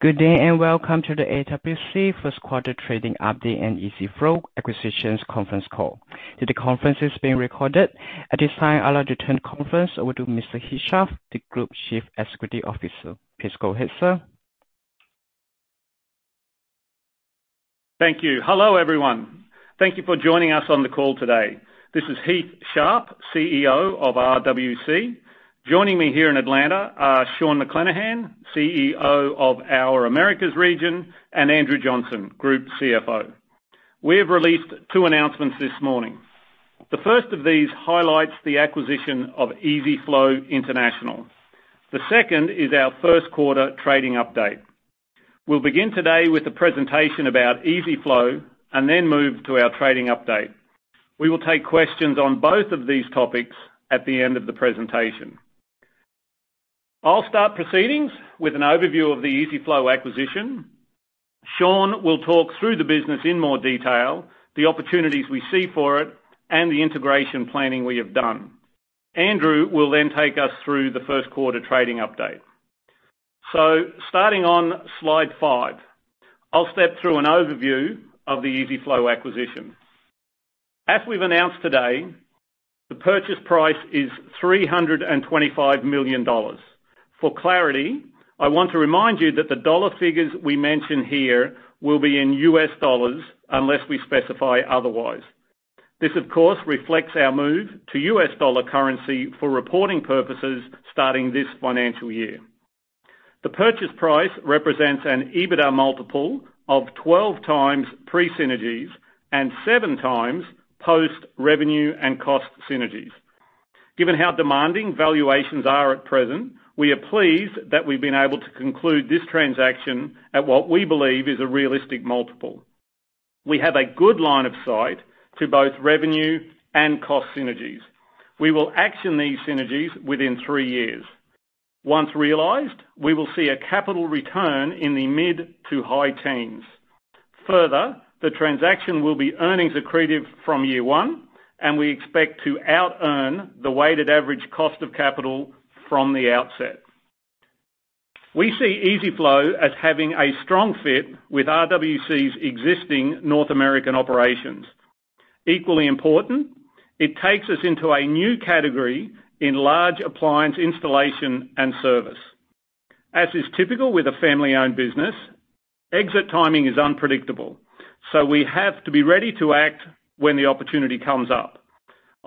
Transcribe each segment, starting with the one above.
Good day, welcome to the RWC First Quarter Trading Update and EZ-FLO Acquisitions Conference Call. Today's conference is being recorded. At this time, I would like to turn the conference over to Mr. Heath Sharp, the Group Chief Executive Officer. Please go ahead, sir. Thank you. Hello, everyone. Thank you for joining us on the call today. This is Heath Sharp, CEO of RWC. Joining me here in Atlanta are Sean McClenaghan, CEO of our Americas region, and Andrew Johnson, Group CFO. We have released two announcements this morning. The first of these highlights the acquisition of EZ-FLO International. The second is our first quarter trading update. We'll begin today with a presentation about EZ-FLO and then move to our trading update. We will take questions on both of these topics at the end of the presentation. I'll start proceedings with an overview of the EZ-FLO acquisition. Sean will talk through the business in more detail, the opportunities we see for it, and the integration planning we have done. Andrew will then take us through the first quarter trading update. Starting on slide five, I'll step through an overview of the EZ-FLO acquisition. As we've announced today, the purchase price is $325 million. For clarity, I want to remind you that the dollar figures we mention here will be in U.S. dollars unless we specify otherwise. This, of course, reflects our move to U.S. dollar currency for reporting purposes starting this financial year. The purchase price represents an EBITDA multiple of 12x pre-synergies and 7x post-revenue and cost synergies. Given how demanding valuations are at present, we are pleased that we've been able to conclude this transaction at what we believe is a realistic multiple. We have a good line of sight to both revenue and cost synergies. We will action these synergies within three years. Once realized, we will see a capital return in the mid to high teens. Further, the transaction will be earnings accretive from year one, and we expect to out-earn the weighted average cost of capital from the outset. We see EZ-FLO as having a strong fit with RWC's existing North American operations. Equally important, it takes us into a new category in large appliance installation and service. As is typical with a family-owned business, exit timing is unpredictable, so we have to be ready to act when the opportunity comes up.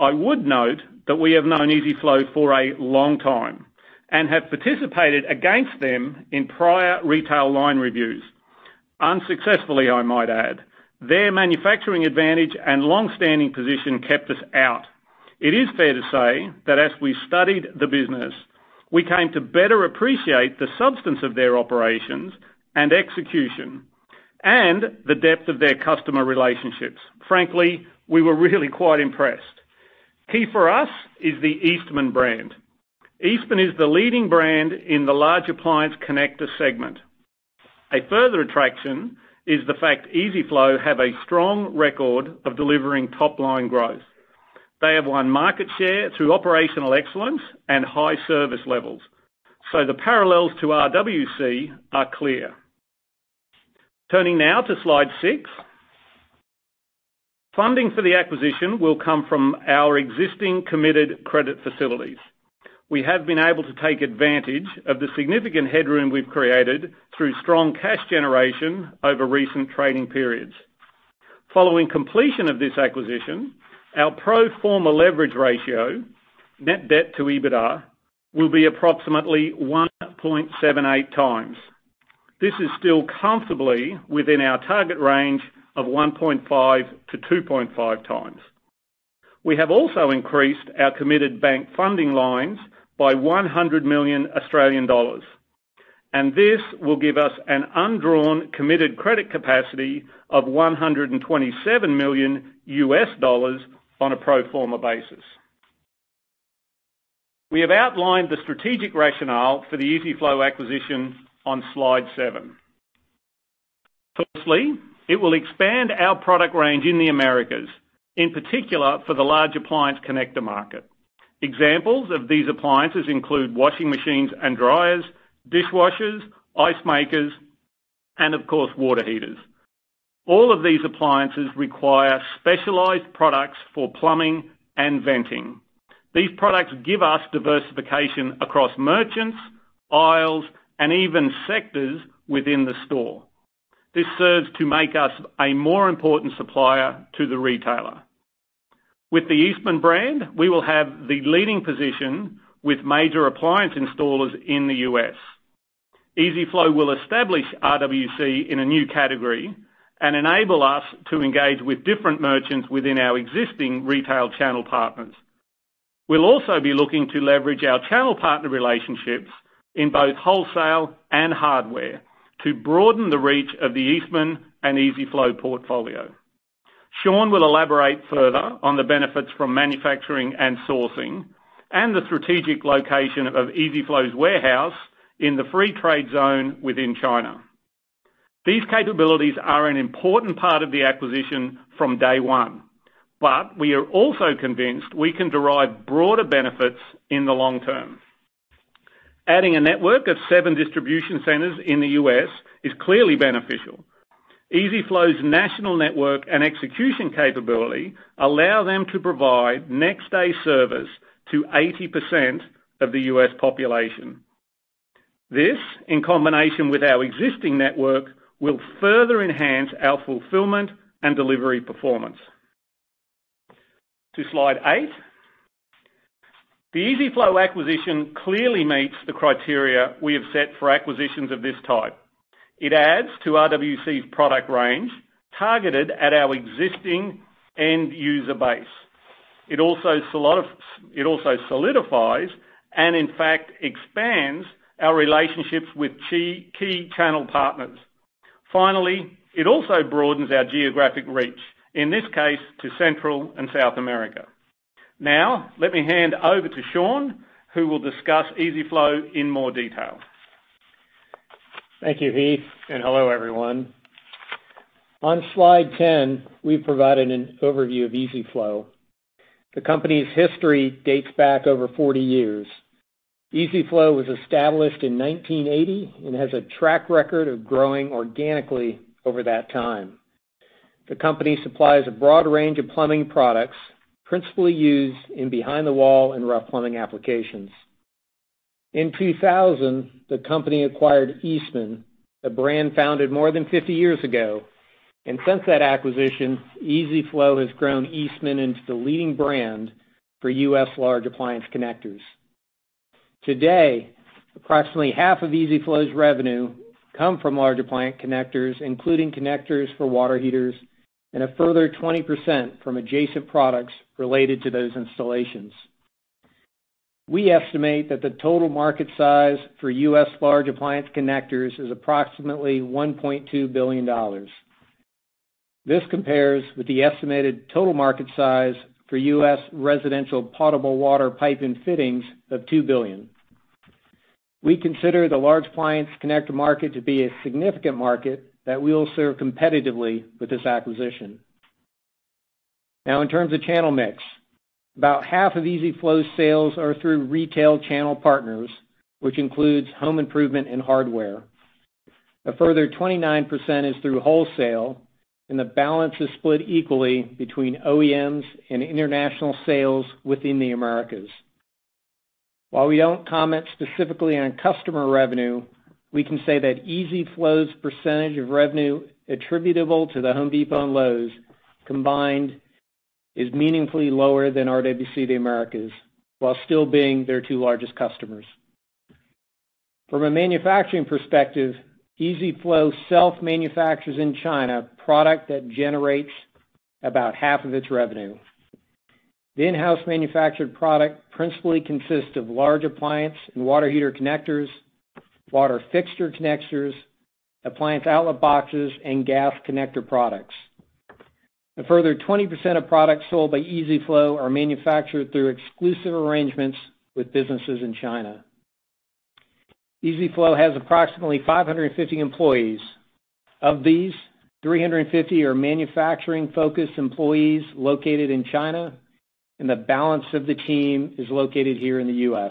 I would note that we have known EZ-FLO for a long time and have participated against them in prior retail line reviews. Unsuccessfully, I might add. Their manufacturing advantage and longstanding position kept us out. It is fair to say as we studied the business, we came to better appreciate the substance of their operations and execution and the depth of their customer relationships. Frankly, we were really quite impressed. Key for us is the Eastman brand. Eastman is the leading brand in the large appliance connector segment. A further attraction is the fact EZ-FLO have a strong record of delivering top-line growth. They have won market share through operational excellence and high service levels. The parallels to RWC are clear. Turning now to slide six. Funding for the acquisition will come from our existing committed credit facilities. We have been able to take advantage of the significant headroom we've created through strong cash generation over recent trading periods. Following completion of this acquisition, our pro forma leverage ratio, net debt to EBITDA, will be approximately 1.78x. This is still comfortably within our target range of 1.5-2.5 times. We have also increased our committed bank funding lines by 100 million Australian dollars. This will give us an undrawn committed credit capacity of $127 million on a pro forma basis. We have outlined the strategic rationale for the EZ-FLO acquisition on slide seven. It will expand our product range in the Americas, in particular for the large appliance connector market. Examples of these appliances include washing machines and dryers, dishwashers, ice makers, and of course, water heaters. All of these appliances require specialized products for plumbing and venting. These products give us diversification across merchants, aisles, and even sectors within the store. This serves to make us a more important supplier to the retailer. With the Eastman brand, we will have the leading position with major appliance installers in the U.S. EZ-FLO will establish RWC in a new category and enable us to engage with different merchants within our existing retail channel partners. We'll also be looking to leverage our channel partner relationships in both wholesale and hardware to broaden the reach of the Eastman and EZ-FLO portfolio. Sean will elaborate further on the benefits from manufacturing and sourcing and the strategic location of EZ-FLO 's warehouse in the free trade zone within China. These capabilities are an important part of the acquisition from day one. We are also convinced we can derive broader benefits in the long term. Adding a network of seven distribution centers in the U.S. is clearly beneficial. EZ-FLO's national network and execution capability allow them to provide next-day service to 80% of the U.S. population. This, in combination with our existing network, will further enhance our fulfillment and delivery performance. To slide eight. The EZ-FLO acquisition clearly meets the criteria we have set for acquisitions of this type. It adds to RWC's product range targeted at our existing end user base. It also solidifies and in fact, expands our relationships with key channel partners. Finally, it also broadens our geographic reach, in this case, to Central and South America. Let me hand over to Sean, who will discuss EZ-FLO in more detail. Thank you, Heath, and hello, everyone. On slide 10, we've provided an overview of EZ-FLO. The company's history dates back over 40 years. EZ-FLO was established in 1980 and has a track record of growing organically over that time. The company supplies a broad range of plumbing products principally used in behind-the-wall and rough plumbing applications. In 2000, the company acquired Eastman, a brand founded more than 50 years ago. Since that acquisition, EZ-FLO has grown Eastman into the leading brand for U.S. large appliance connectors. Today, approximately half of EZ-FLO's revenue come from large appliance connectors, including connectors for water heaters, and a further 20% from adjacent products related to those installations. We estimate that the total market size for U.S. large appliance connectors is approximately $1.2 billion. This compares with the estimated total market size for U.S. residential potable water pipe and fittings of $2 billion. We consider the large appliance connector market to be a significant market that we will serve competitively with this acquisition. Now, in terms of channel mix, about half of EZ-FLO's sales are through retail channel partners, which includes home improvement and hardware. A further 29% is through wholesale, and the balance is split equally between OEMs and international sales within the Americas. While we don't comment specifically on customer revenue, we can say that EZ-FLO's percentage of revenue attributable to The Home Depot and Lowe's combined is meaningfully lower than RWC Americas, while still being their two largest customers. From a manufacturing perspective, EZ-FLO self-manufactures in China product that generates about half of its revenue. The in-house manufactured product principally consists of large appliance and water heater connectors, water fixture connectors, appliance outlet boxes, and gas connector products. A further 20% of products sold by EZ-FLO are manufactured through exclusive arrangements with businesses in China. EZ-FLO has approximately 550 employees. Of these, 350 are manufacturing-focused employees located in China, and the balance of the team is located here in the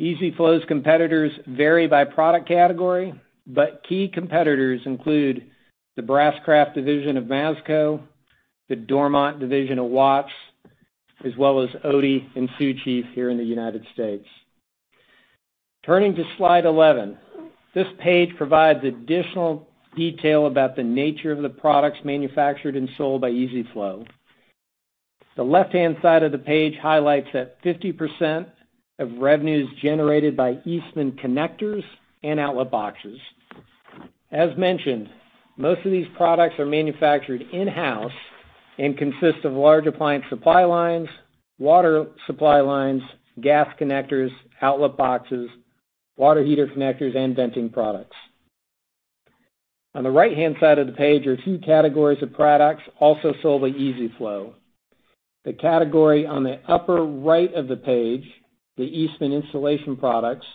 U.S. EZ-FLO's competitors vary by product category, but key competitors include the BrassCraft division of Masco, the Dormont division of Watts, as well as Oatey and Sioux Chief here in the United States. Turning to slide 11. This page provides additional detail about the nature of the products manufactured and sold by EZ-FLO. The left-hand side of the page highlights that 50% of revenue is generated by Eastman connectors and outlet boxes. As mentioned, most of these products are manufactured in-house and consist of large appliance supply lines, water supply lines, gas connectors, outlet boxes, water heater connectors, and venting products. On the right-hand side of the page are two categories of products also sold by EZ-FLO. The category on the upper right of the page, the Eastman insulation products,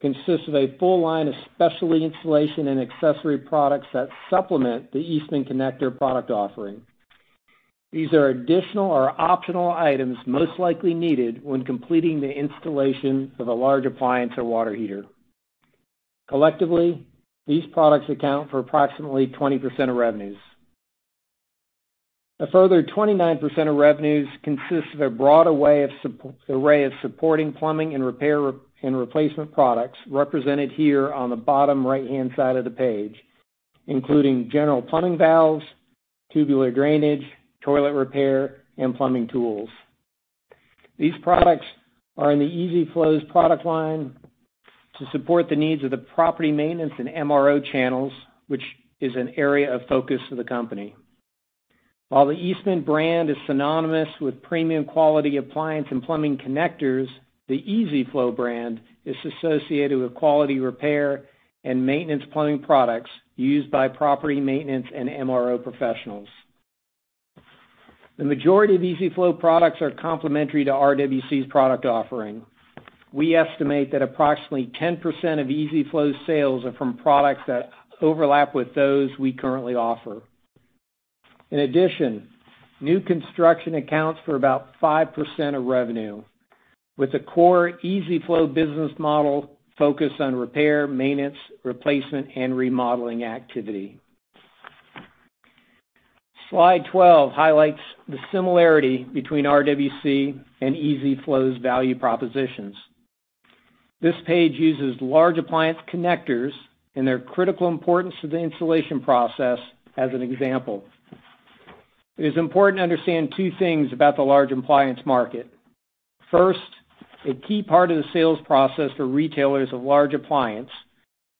consists of a full line of specialty insulation and accessory products that supplement the Eastman connector product offering. These are additional or optional items most likely needed when completing the installation of a large appliance or water heater. Collectively, these products account for approximately 20% of revenues. A further 29% of revenues consists of a broader array of supporting plumbing and repair and replacement products represented here on the bottom right-hand side of the page, including general plumbing valves, tubular drainage, toilet repair, and plumbing tools. These products are in the EZ-FLO's product line to support the needs of the property maintenance and MRO channels, which is an area of focus for the company. While the Eastman brand is synonymous with premium quality appliance and plumbing connectors, the EZ-FLO brand is associated with quality repair and maintenance plumbing products used by property maintenance and MRO professionals. The majority of EZ-FLO products are complementary to RWC's product offering. We estimate that approximately 10% of EZ-FLO sales are from products that overlap with those we currently offer. In addition, new construction accounts for about 5% of revenue, with the core EZ-FLO business model focused on repair, maintenance, replacement, and remodeling activity. Slide 12 highlights the similarity between RWC and EZ-FLO's value propositions. This page uses large appliance connectors and their critical importance to the installation process as an example. It is important to understand two things about the large appliance market. First, a key part of the sales process for retailers of large appliance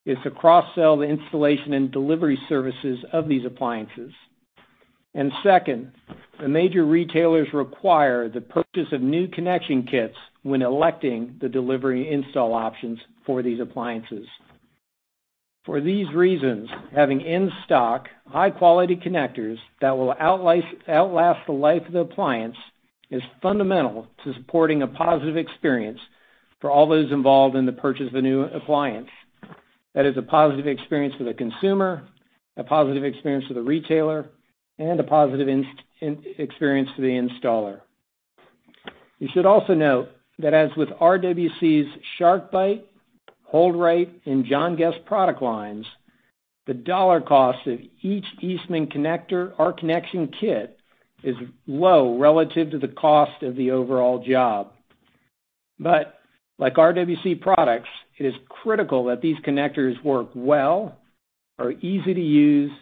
is to cross-sell the installation and delivery services of these appliances. Second, the major retailers require the purchase of new connection kits when electing the delivery and install options for these appliances. For these reasons, having in-stock, high-quality connectors that will outlast the life of the appliance is fundamental to supporting a positive experience for all those involved in the purchase of the new appliance. That is a positive experience for the consumer, a positive experience for the retailer, and a positive experience for the installer. You should also note that as with RWC's SharkBite, HoldRite, and John Guest product lines, the dollar cost of each Eastman connector or connection kit is low relative to the cost of the overall job. Like RWC products, it is critical that these connectors work well, are easy to use,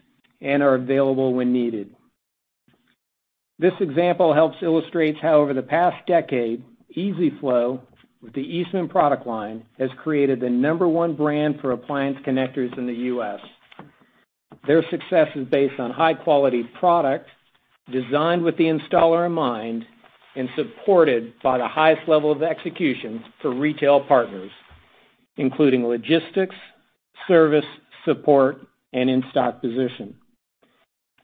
and are available when needed. This example helps illustrate how over the past decade, EZ-FLO with the Eastman product line, has created the number one brand for appliance connectors in the U.S. Their success is based on high-quality product designed with the installer in mind and supported by the highest level of execution for retail partners, including logistics, service, support, and in-stock position.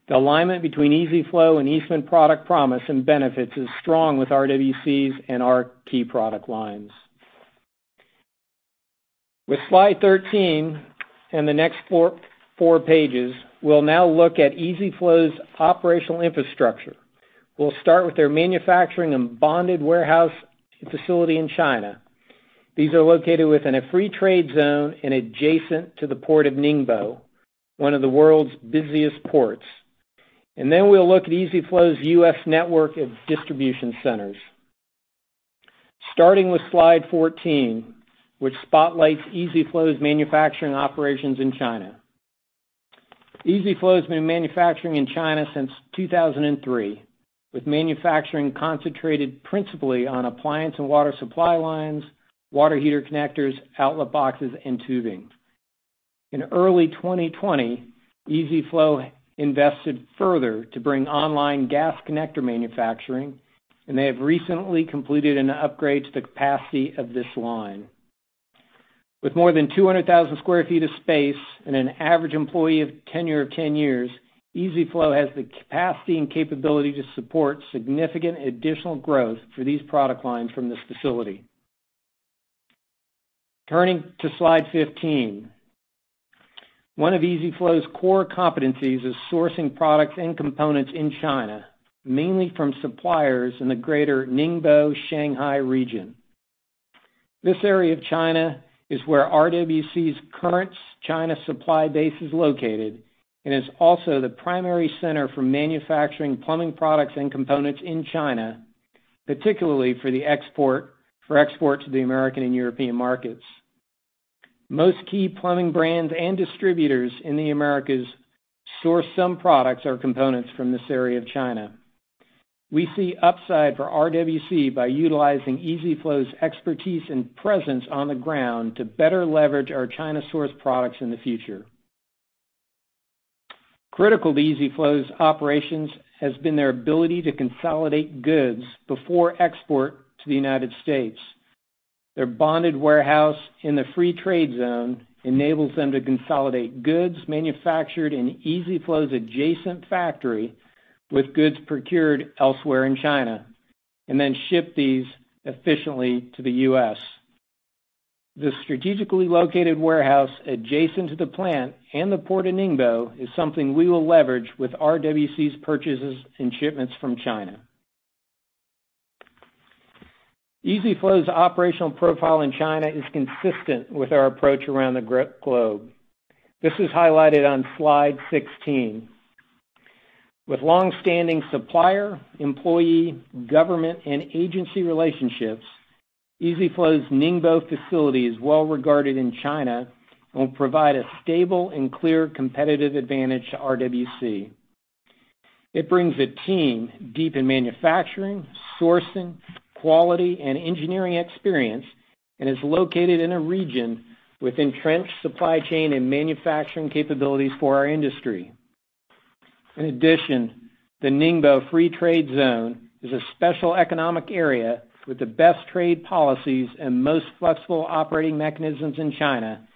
The alignment between EZ-FLO and Eastman product promise and benefits is strong with RWC's and our key product lines. With Slide 13 and the next four pages, we'll now look at EZ-FLO's operational infrastructure. We'll start with their manufacturing and bonded warehouse facility in China. These are located within a free trade zone and adjacent to the port of Ningbo, one of the world's busiest ports. We'll look at EZ-FLO's U.S. network of distribution centers. Starting with Slide 14, which spotlights EZ-FLO's manufacturing operations in China. EZ-FLO has been manufacturing in China since 2003, with manufacturing concentrated principally on appliance and water supply lines, water heater connectors, outlet boxes, and tubing. In early 2020, EZ-FLO invested further to bring online gas connector manufacturing. They have recently completed an upgrade to the capacity of this line. With more than 200,000 sq ft of space and an average employee tenure of 10 years, EZ-FLO has the capacity and capability to support significant additional growth for these product lines from this facility. Turning to Slide 15, one of EZ-FLO's core competencies is sourcing products and components in China, mainly from suppliers in the greater Ningbo-Shanghai region. This area of China is where RWC's current China supply base is located and is also the primary center for manufacturing plumbing products and components in China, particularly for export to the American and European markets. Most key plumbing brands and distributors in the Americas source some products or components from this area of China. We see upside for RWC by utilizing EZ-FLO's expertise and presence on the ground to better leverage our China-sourced products in the future. Critical to EZ-FLO's operations has been their ability to consolidate goods before export to the United States. Their bonded warehouse in the free trade zone enables them to consolidate goods manufactured in EZ-FLO's adjacent factory with goods procured elsewhere in China, and then ship these efficiently to the U.S. This strategically located warehouse adjacent to the plant and the port of Ningbo is something we will leverage with RWC's purchases and shipments from China. EZ-FLO's operational profile in China is consistent with our approach around the globe. This is highlighted on Slide 16. With longstanding supplier, employee, government, and agency relationships, EZ-FLO's Ningbo facility is well regarded in China and will provide a stable and clear competitive advantage to RWC. It brings a team deep in manufacturing, sourcing, quality, and engineering experience, and is located in a region with entrenched supply chain and manufacturing capabilities for our industry. In addition, the Ningbo free trade zone is a special economic area with the best trade policies and most flexible operating mechanisms in China,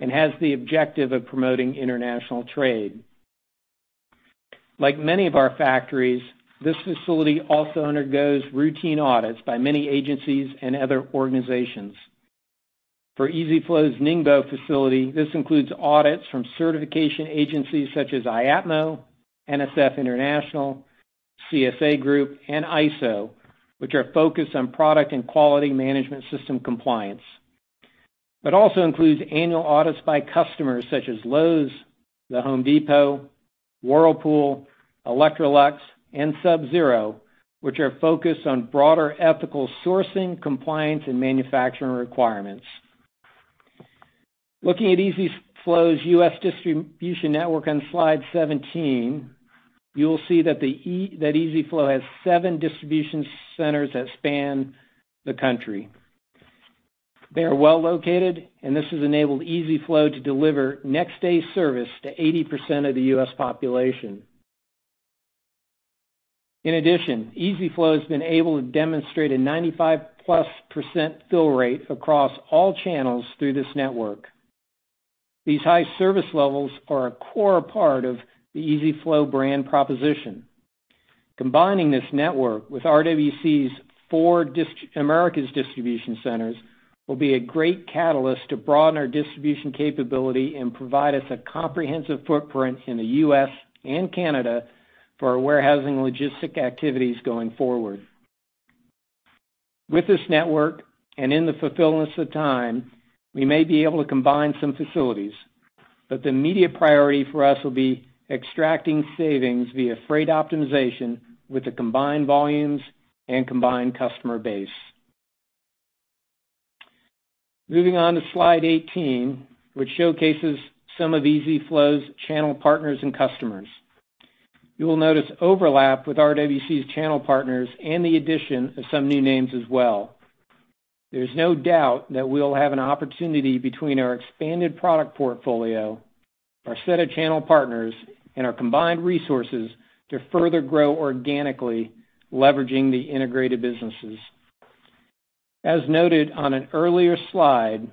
and has the objective of promoting international trade. Like many of our factories, this facility also undergoes routine audits by many agencies and other organizations. For EZ-FLO's Ningbo facility, this includes audits from certification agencies such as IAPMO, NSF International, CSA Group, and ISO, which are focused on product and quality management system compliance. Also includes annual audits by customers such as Lowe's, The Home Depot, Whirlpool, Electrolux, and Sub-Zero, which are focused on broader ethical sourcing, compliance, and manufacturing requirements. Looking at EZ-FLO's U.S. distribution network on slide 17, you will see that EZ-FLO has seven distribution centers that span the country. They are well-located, and this has enabled EZ-FLO to deliver next-day service to 80% of the U.S. population. In addition, EZ-FLO has been able to demonstrate a 95%-plus fill rate across all channels through this network. These high service levels are a core part of the EZ-FLO brand proposition. Combining this network with RWC's four Americas distribution centers will be a great catalyst to broaden our distribution capability and provide us a comprehensive footprint in the U.S. and Canada for our warehousing logistic activities going forward. With this network and in the fulfillment of time, we may be able to combine some facilities, but the immediate priority for us will be extracting savings via freight optimization with the combined volumes and combined customer base. Moving on to slide 18, which showcases some of EZ-FLO's channel partners and customers. You will notice overlap with RWC's channel partners and the addition of some new names as well. There's no doubt that we'll have an opportunity between our expanded product portfolio, our set of channel partners, and our combined resources to further grow organically, leveraging the integrated businesses. As noted on an earlier slide,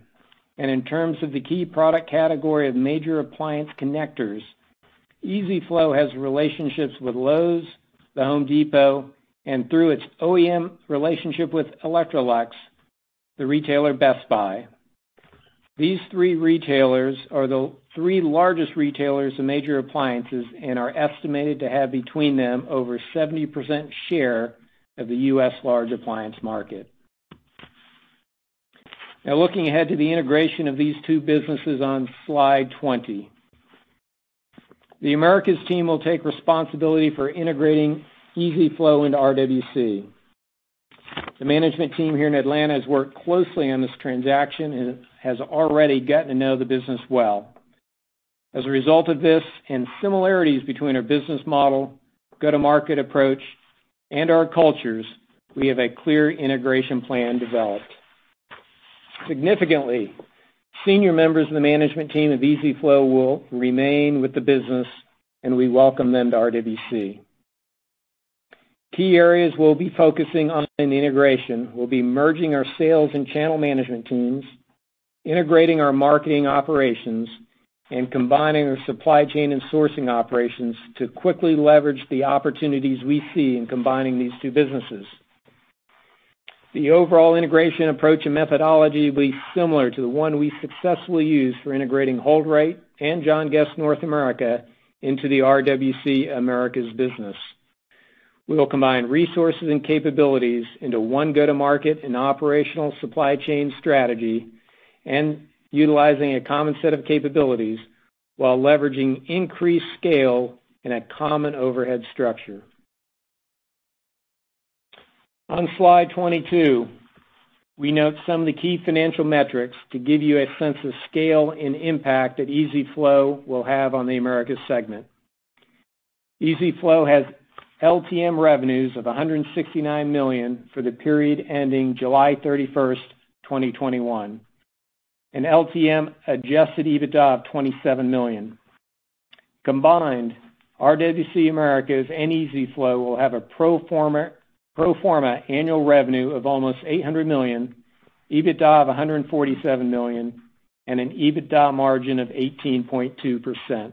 in terms of the key product category of major appliance connectors, EZ-FLO has relationships with Lowe's, The Home Depot, and through its OEM relationship with Electrolux, the retailer Best Buy. These three retailers are the three largest retailers of major appliances and are estimated to have between them over 70% share of the U.S. large appliance market. Looking ahead to the integration of these two businesses on slide 20. The Americas team will take responsibility for integrating EZ-FLO into RWC. The management team here in Atlanta has worked closely on this transaction and has already gotten to know the business well. As a result of this and similarities between our business model, go-to-market approach, and our cultures, we have a clear integration plan developed. Significantly, senior members of the management team of EZ-FLO will remain with the business, and we welcome them to RWC. Key areas we'll be focusing on in the integration will be merging our sales and channel management teams, integrating our marketing operations, and combining our supply chain and sourcing operations to quickly leverage the opportunities we see in combining these two businesses. The overall integration approach and methodology will be similar to the one we successfully used for integrating HoldRite and John Guest North America into the RWC Americas business. We will combine resources and capabilities into one go-to-market and operational supply chain strategy, and utilizing a common set of capabilities while leveraging increased scale and a common overhead structure. On slide 22, we note some of the key financial metrics to give you a sense of scale and impact that EZ-FLO will have on the Americas segment. EZ-FLO has LTM revenues of $169 million for the period ending July 31st, 2021, and LTM adjusted EBITDA of $27 million. Combined, RWC Americas and EZ-FLO will have a pro forma annual revenue of almost $800 million, EBITDA of $147 million, and an EBITDA margin of 18.2%.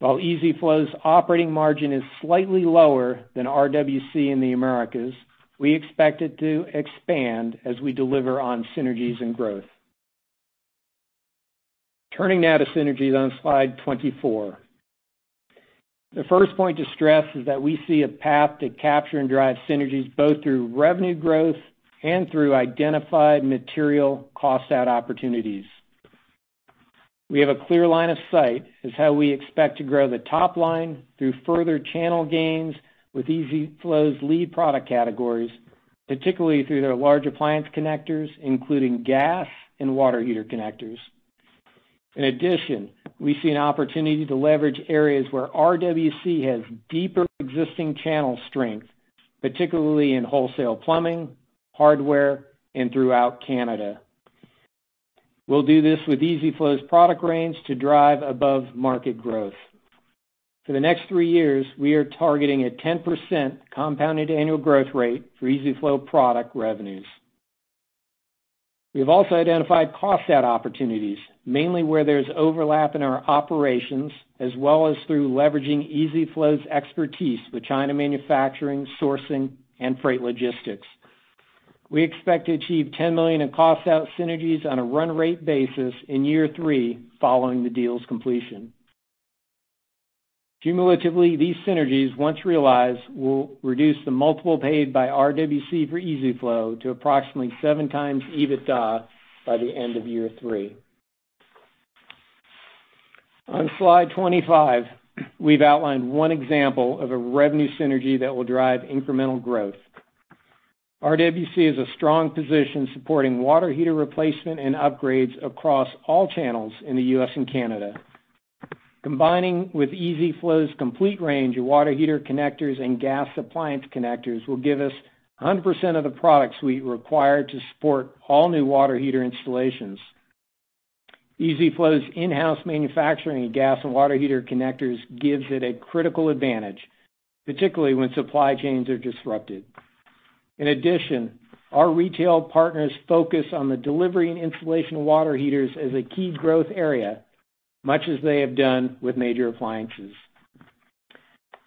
While EZ-FLO's operating margin is slightly lower than RWC in the Americas, we expect it to expand as we deliver on synergies and growth. Turning now to synergies on slide 24. The first point to stress is that we see a path to capture and drive synergies both through revenue growth and through identified material cost out opportunities. We have a clear line of sight as how we expect to grow the top line through further channel gains with EZ-FLO's lead product categories, particularly through their large appliance connectors, including gas and water heater connectors. In addition, we see an opportunity to leverage areas where RWC has deeper existing channel strength, particularly in wholesale plumbing, hardware, and throughout Canada. We'll do this with EZ-FLO's product range to drive above-market growth. For the next three years, we are targeting a 10% compounded annual growth rate for EZ-FLO product revenues. We have also identified cost out opportunities, mainly where there's overlap in our operations, as well as through leveraging EZ-FLO's expertise with China manufacturing, sourcing, and freight logistics. We expect to achieve $10 million in cost out synergies on a run rate basis in year three following the deal's completion. Cumulatively, these synergies, once realized, will reduce the multiple paid by RWC for EZ-FLO to approximately 7x EBITDA by the end of year three. On slide 25, we've outlined one example of a revenue synergy that will drive incremental growth. RWC is a strong position supporting water heater replacement and upgrades across all channels in the U.S. and Canada. Combining with EZ-FLO's complete range of water heater connectors and gas appliance connectors will give us 100% of the product suite required to support all new water heater installations. EZ-FLO's in-house manufacturing of gas and water heater connectors gives it a critical advantage, particularly when supply chains are disrupted. In addition, our retail partners focus on the delivery and installation of water heaters as a key growth area, much as they have done with major appliances.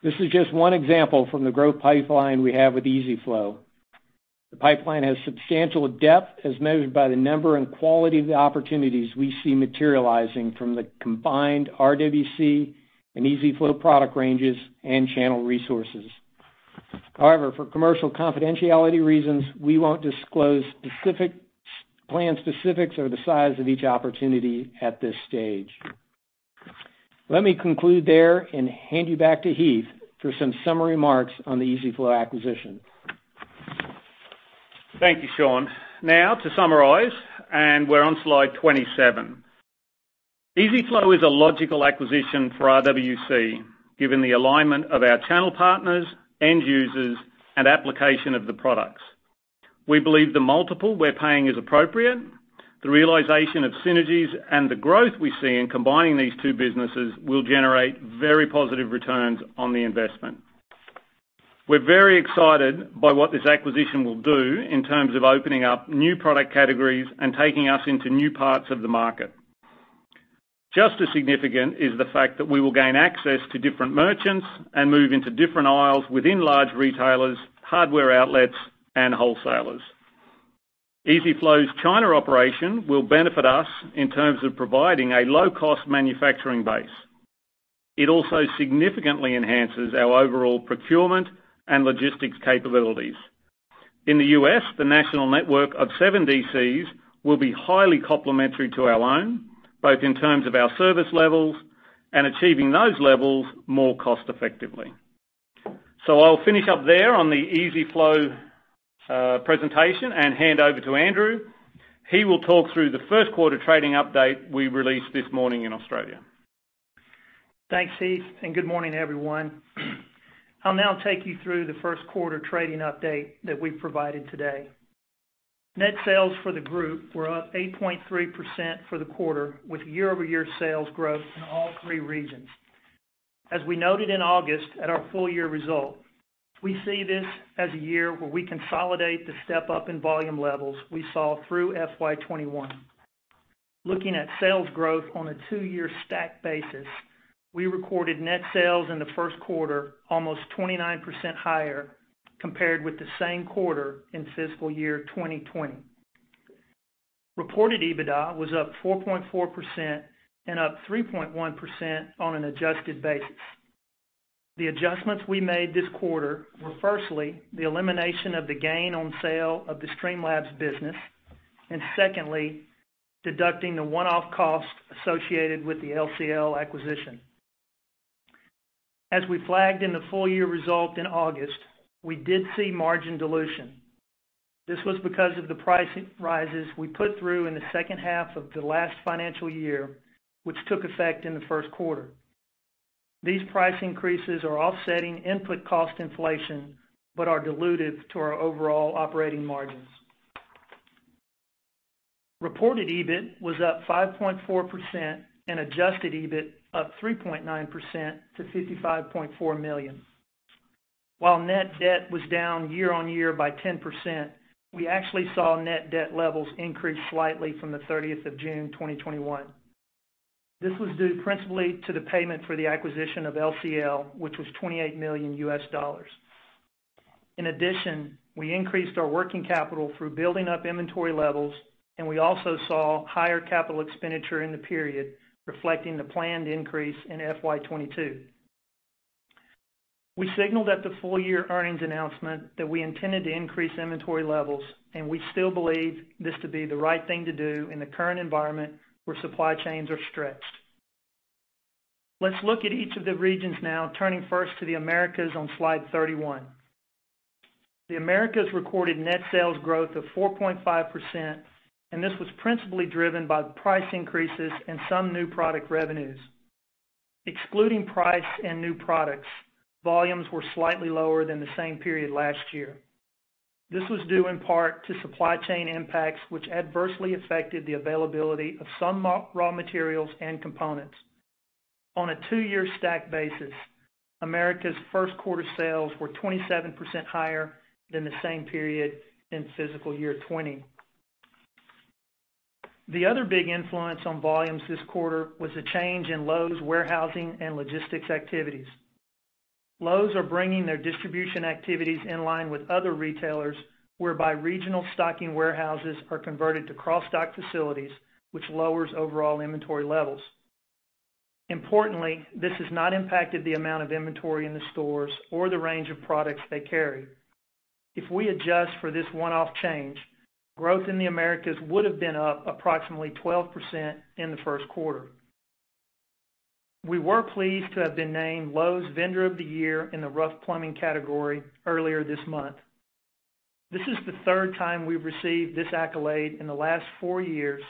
This is just one example from the growth pipeline we have with EZ-FLO. The pipeline has substantial depth as measured by the number and quality of the opportunities we see materializing from the combined RWC and EZ-FLO product ranges and channel resources. However, for commercial confidentiality reasons, we won't disclose plan specifics or the size of each opportunity at this stage. Let me conclude there and hand you back to Heath for some summary marks on the EZ-FLO acquisition. Thank you, Sean. Now to summarize, and we're on slide 27. EZ-FLO is a logical acquisition for RWC given the alignment of our channel partners, end users, and application of the products. We believe the multiple we're paying is appropriate. The realization of synergies and the growth we see in combining these two businesses will generate very positive returns on the investment. We're very excited by what this acquisition will do in terms of opening up new product categories and taking us into new parts of the market. Just as significant is the fact that we will gain access to different merchants and move into different aisles within large retailers, hardware outlets, and wholesalers. EZ-FLO's China operation will benefit us in terms of providing a low-cost manufacturing base. It also significantly enhances our overall procurement and logistics capabilities. In the U.S., the national network of seven DCs will be highly complementary to our own, both in terms of our service levels and achieving those levels more cost effectively. I'll finish up there on the EZ-FLO presentation and hand over to Andrew. He will talk through the first quarter trading update we released this morning in Australia. Thanks, Heath. Good morning, everyone. I'll now take you through the 1st quarter trading update that we've provided today. Net sales for the group were up 8.3% for the quarter, with year-over-year sales growth in all three regions. As we noted in August at our full year result, we see this as a year where we consolidate the step-up in volume levels we saw through FY 2021. Looking at sales growth on a two-year stack basis, we recorded net sales in the first quarter almost 29% higher compared with the same quarter in fiscal year 2020. Reported EBITDA was up 4.4% and up 3.1% on an adjusted basis. The adjustments we made this quarter were firstly, the elimination of the gain on sale of the StreamLabs business, and secondly, deducting the one-off cost associated with the LCL acquisition. As we flagged in the full-year result in August, we did see margin dilution. This was because of the price rises we put through in the second half of the last financial year, which took effect in the first quarter. These price increases are offsetting input cost inflation but are dilutive to our overall operating margins. Reported EBIT was up 5.4% and adjusted EBIT up 3.9% to $55.4 million. While net debt was down year-on-year by 10%, we actually saw net debt levels increase slightly from the 30th of June 2021. This was due principally to the payment for the acquisition of LCL, which was $28 million. In addition, we increased our working capital through building up inventory levels, and we also saw higher capital expenditure in the period, reflecting the planned increase in FY 2022. We signaled at the full year earnings announcement that we intended to increase inventory levels, we still believe this to be the right thing to do in the current environment where supply chains are stretched. Let's look at each of the regions now, turning first to the Americas on slide 31. The Americas recorded net sales growth of 4.5%, this was principally driven by price increases and some new product revenues. Excluding price and new products, volumes were slightly lower than the same period last year. This was due in part to supply chain impacts, which adversely affected the availability of some raw materials and components. On a two-year stack basis, Americas' first quarter sales were 27% higher than the same period in fiscal year 2020. The other big influence on volumes this quarter was a change in Lowe's warehousing and logistics activities. Lowe's are bringing their distribution activities in line with other retailers, whereby regional stocking warehouses are converted to cross-dock facilities, which lowers overall inventory levels. Importantly, this has not impacted the amount of inventory in the stores or the range of products they carry. If we adjust for this one-off change, growth in the Americas would've been up approximately 12% in the first quarter. We were pleased to have been named Lowe's Vendor of the Year in the Rough Plumbing category earlier this month. This is the third time we've received this accolade in the last four years,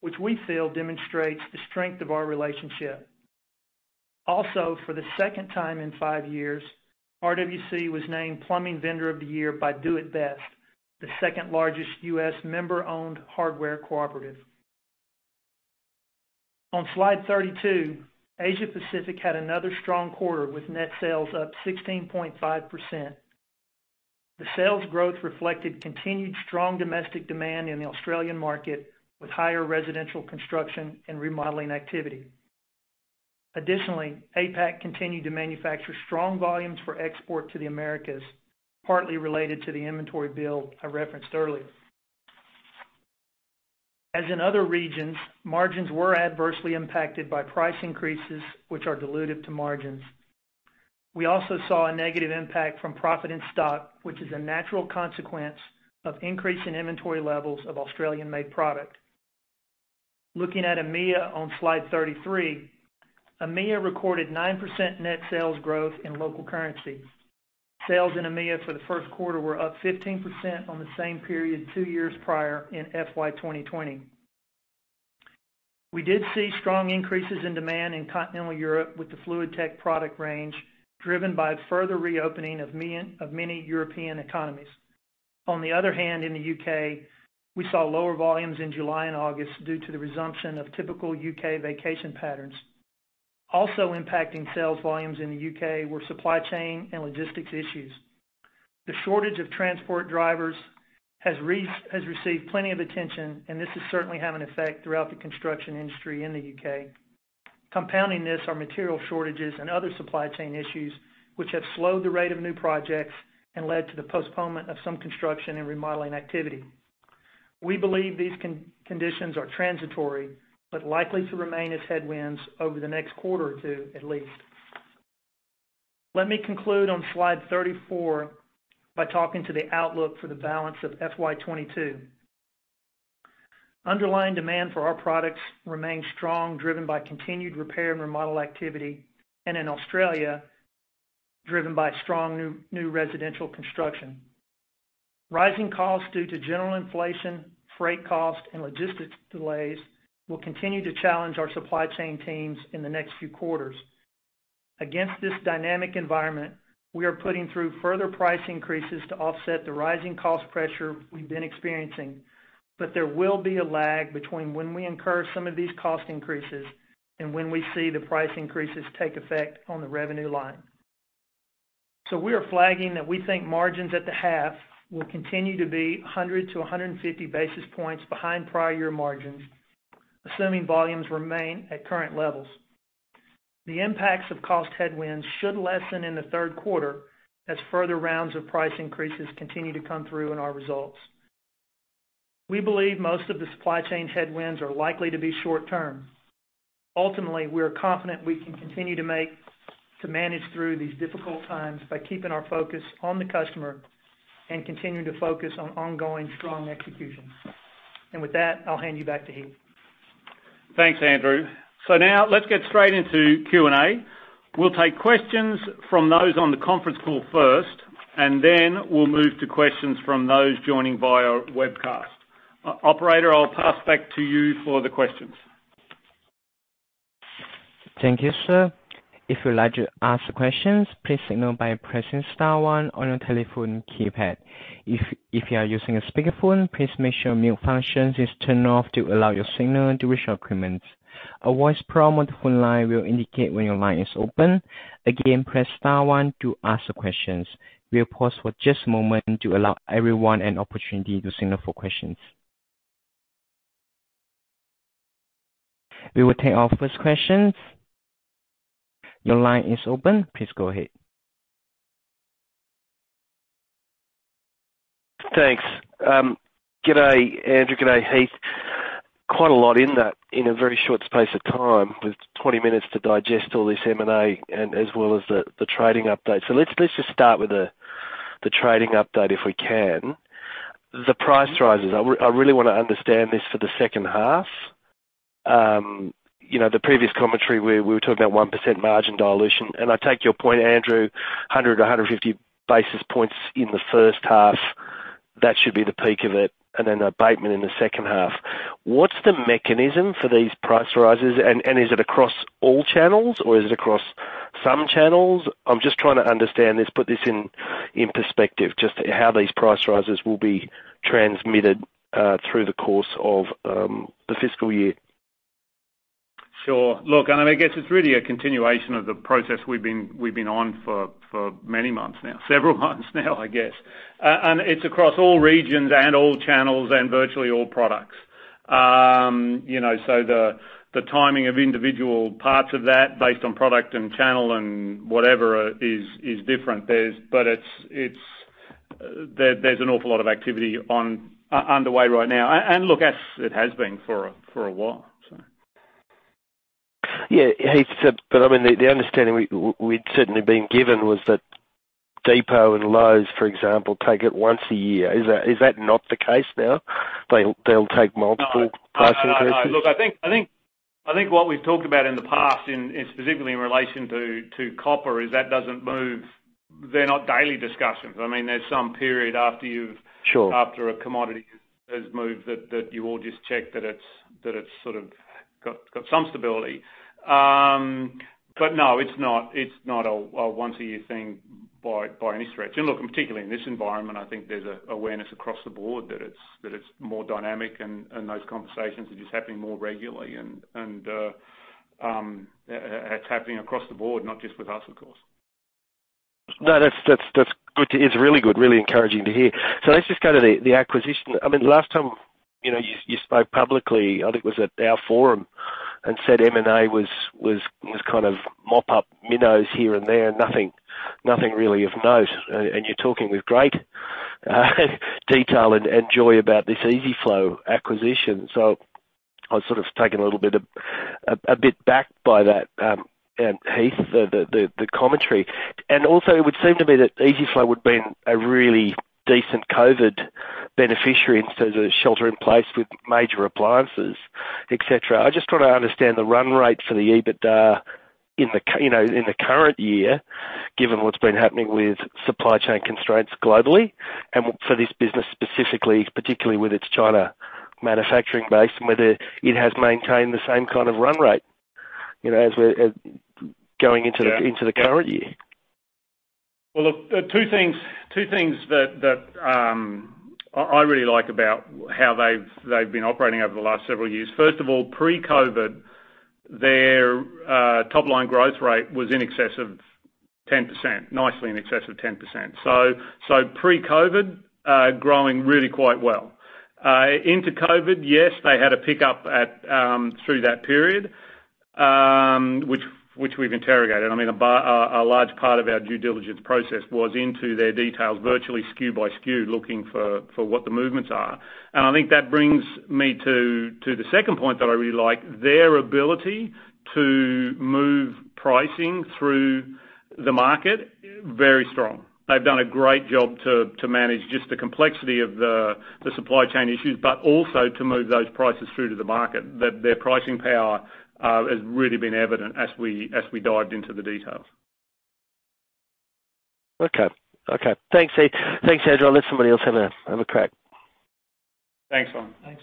which we feel demonstrates the strength of our relationship. For the second time in five years, RWC was named Plumbing Vendor of the Year by Do it Best, the second largest U.S. member-owned hardware cooperative. On slide 32, Asia Pacific had another strong quarter with net sales up 16.5%. The sales growth reflected continued strong domestic demand in the Australian market, with higher residential construction and remodeling activity. Additionally, APAC continued to manufacture strong volumes for export to the Americas, partly related to the inventory build I referenced earlier. As in other regions, margins were adversely impacted by price increases, which are dilutive to margins. We also saw a negative impact from profit in stock, which is a natural consequence of increasing inventory levels of Australian-made product. Looking at EMEA on slide 33, EMEA recorded 9% net sales growth in local currency. Sales in EMEA for the first quarter were up 15% on the same period two years prior in FY 2020. We did see strong increases in demand in Continental Europe with the Fluidtech product range, driven by further reopening of many European economies. On the other hand, in the U.K., we saw lower volumes in July and August due to the resumption of typical U.K. vacation patterns. Also impacting sales volumes in the U.K. were supply chain and logistics issues. The shortage of transport drivers has received plenty of attention, and this has certainly had an effect throughout the construction industry in the U.K. Compounding this are material shortages and other supply chain issues, which have slowed the rate of new projects and led to the postponement of some construction and remodeling activity. We believe these conditions are transitory, but likely to remain as headwinds over the next quarter or two at least. Let me conclude on slide 34 by talking to the outlook for the balance of FY 2022. Underlying demand for our products remains strong, driven by continued repair and remodel activity, and in Australia, driven by strong new residential construction. Rising costs due to general inflation, freight costs, and logistics delays will continue to challenge our supply chain teams in the next few quarters. Against this dynamic environment, we are putting through further price increases to offset the rising cost pressure we've been experiencing. There will be a lag between when we incur some of these cost increases and when we see the price increases take effect on the revenue line. We are flagging that we think margins at the half will continue to be 100-150 basis points behind prior year margins, assuming volumes remain at current levels. The impacts of cost headwinds should lessen in the third quarter as further rounds of price increases continue to come through in our results. We believe most of the supply chain headwinds are likely to be short-term. Ultimately, we are confident we can continue to manage through these difficult times by keeping our focus on the customer and continuing to focus on ongoing strong execution. With that, I'll hand you back to Heath. Thanks, Andrew. Now let's get straight into Q&A. We'll take questions from those on the conference call first, and then we'll move to questions from those joining via webcast. Operator, I'll pass back to you for the questions. Thank you, sir. If you'd like to ask questions, please signal by pressing star one on your telephone keypad. If you are using a speakerphone, please make sure mute function is turned off to allow your signal to reach our equipment. A voice prompt on the phone line will indicate when your line is open. Again, press star one to ask the questions. We'll pause for just a moment to allow everyone an opportunity to signal for questions. We will take our first question. Your line is open. Please go ahead. Thanks. G'day, Andrew. G'day, Heath. Quite a lot in that in a very short space of time with 20 minutes to digest all this M&A as well as the trading update. Let's just start with the trading update if we can. The price rises, I really want to understand this for the second half. The previous commentary, we were talking about 1% margin dilution, and I take your point, Andrew, 100 to 150 basis points in the first half. That should be the peak of it, and then abatement in the second half. What's the mechanism for these price rises? Is it across all channels or is it across some channels? I'm just trying to understand this, put this in perspective, just how these price rises will be transmitted through the course of the fiscal year. Sure. Look, I guess it's really a continuation of the process we've been on for many months now, several months now I guess. It's across all regions and all channels and virtually all products. The timing of individual parts of that based on product and channel and whatever is different. There's an awful lot of activity underway right now. Look, as it has been for a while. Yeah. Heath, the understanding we'd certainly been given was that Depot and Lowe's, for example, take it once a year. Is that not the case now? They'll take multiple price increases? No. Look, I think what we've talked about in the past, specifically in relation to copper, is that doesn't move. They're not daily discussions after a commodity has moved that you all just check that it's sort of got some stability. No, it's not a once-a-year thing by any stretch. Look, particularly in this environment, I think there's an awareness across the board that it's more dynamic and those conversations are just happening more regularly, and it's happening across the board, not just with us, of course. No, that's good to hear. It's really good, really encouraging to hear. Let's just go to the acquisition. Last time, you spoke publicly, I think it was at our forum and said M&A was kind of mop up minnows here and there, nothing really of note. You're talking with great detail and joy about this EZ-FLO acquisition. I was sort of taken a little bit aback by that, Heath, the commentary. Also, it would seem to me that EZ-FLO would have been a really decent COVID beneficiary, in terms of shelter in place with major appliances, et cetera. I just try to understand the run rate for the EBITDA in the current year, given what's been happening with supply chain constraints globally and for this business specifically, particularly with its China manufacturing base, and whether it has maintained the same kind of run rate as going into the current year. Well, look, two things that I really like about how they've been operating over the last several years. First of all, pre-COVID, their top-line growth rate was in excess of 10%, nicely in excess of 10%. Pre-COVID, growing really quite well. Into COVID, yes, they had a pickup through that period, which we've interrogated. A large part of our due diligence process was into their details, virtually SKU-by-SKU, looking for what the movements are. I think that brings me to the second point that I really like, their ability to move pricing through the market, very strong. They've done a great job to manage just the complexity of the supply chain issues, but also to move those prices through to the market. Their pricing power has really been evident as we dived into the details. Okay. Thanks, Heath. Thanks, Andrew. I will let somebody else have a crack. Thanks, Ron. Thanks.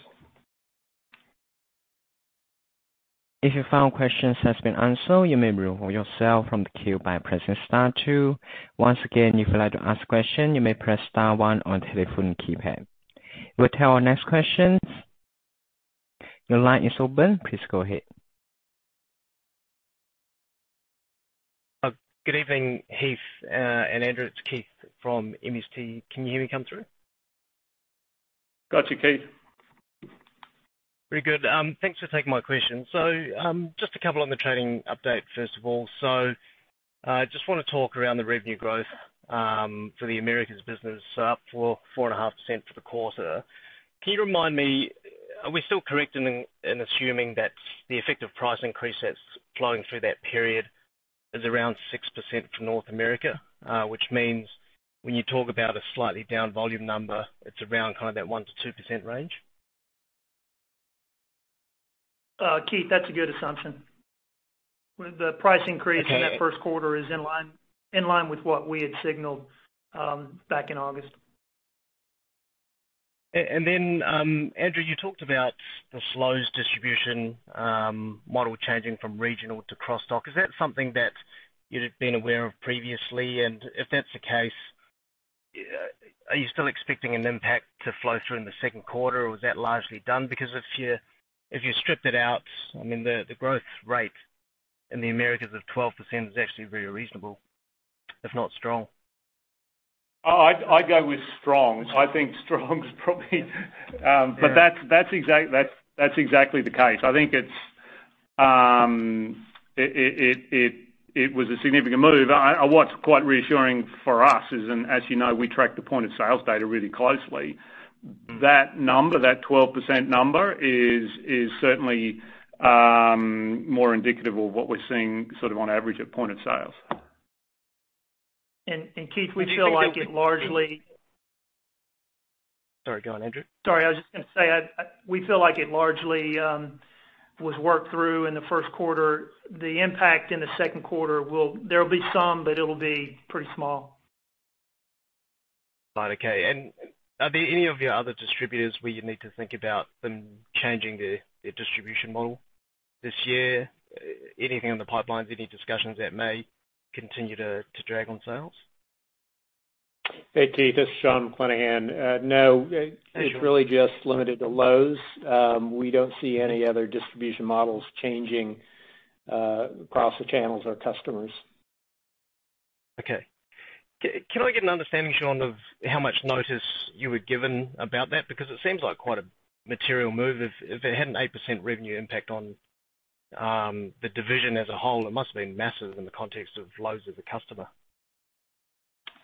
If your phone questions has been answered, you may remove yourself from the queue by pressing star two. Once again, if you'd like to ask a question, you may press star one on your telephone keypad. We'll take our next question. Your line is open. Please go ahead. Good evening, Heath and Andrew. It's Keith from MST. Can you hear me come through? Got you, Keith. Very good. Thanks for taking my question. Just a couple on the trading update, first of all. I just wanna talk around the revenue growth for the Americas business, up 4.5% for the quarter. Can you remind me, are we still correct in assuming that the effect of price increase that's flowing through that period is around 6% for North America? Which means when you talk about a slightly down volume number, it's around kind of that 1%-2% range? Keith, that's a good assumption in that first quarter is in line with what we had signaled back in August. Andrew, you talked about the Lowe's distribution model changing from regional to cross-dock. Is that something that you'd have been aware of previously? If that's the case, are you still expecting an impact to flow through in the second quarter, or is that largely done? If you stripped it out, the growth rate in the Americas of 12% is actually very reasonable, if not strong. I'd go with strong. That's exactly the case. I think it was a significant move. What's quite reassuring for us is, and as you know, we track the point of sales data really closely. That number, that 12% number, is certainly more indicative of what we're seeing sort of on average at point of sales. Keith, we feel like it largely. Sorry, go on, Andrew. Sorry, I was just gonna say, we feel like it largely was worked through in the first quarter. The impact in the second quarter, there will be some, but it will be pretty small. Right. Okay. Are there any of your other distributors where you need to think about them changing their distribution model this year? Anything on the pipelines, any discussions that may continue to drag on sales? Hey, Keith, this is Sean McClenaghan. No. Hey, Sean. It's really just limited to Lowe's. We don't see any other distribution models changing across the channels or customers. Okay. Can I get an understanding, Sean, of how much notice you were given about that? Because it seems like quite a material move. If it had an 8% revenue impact on the division as a whole, it must've been massive in the context of Lowe's as a customer.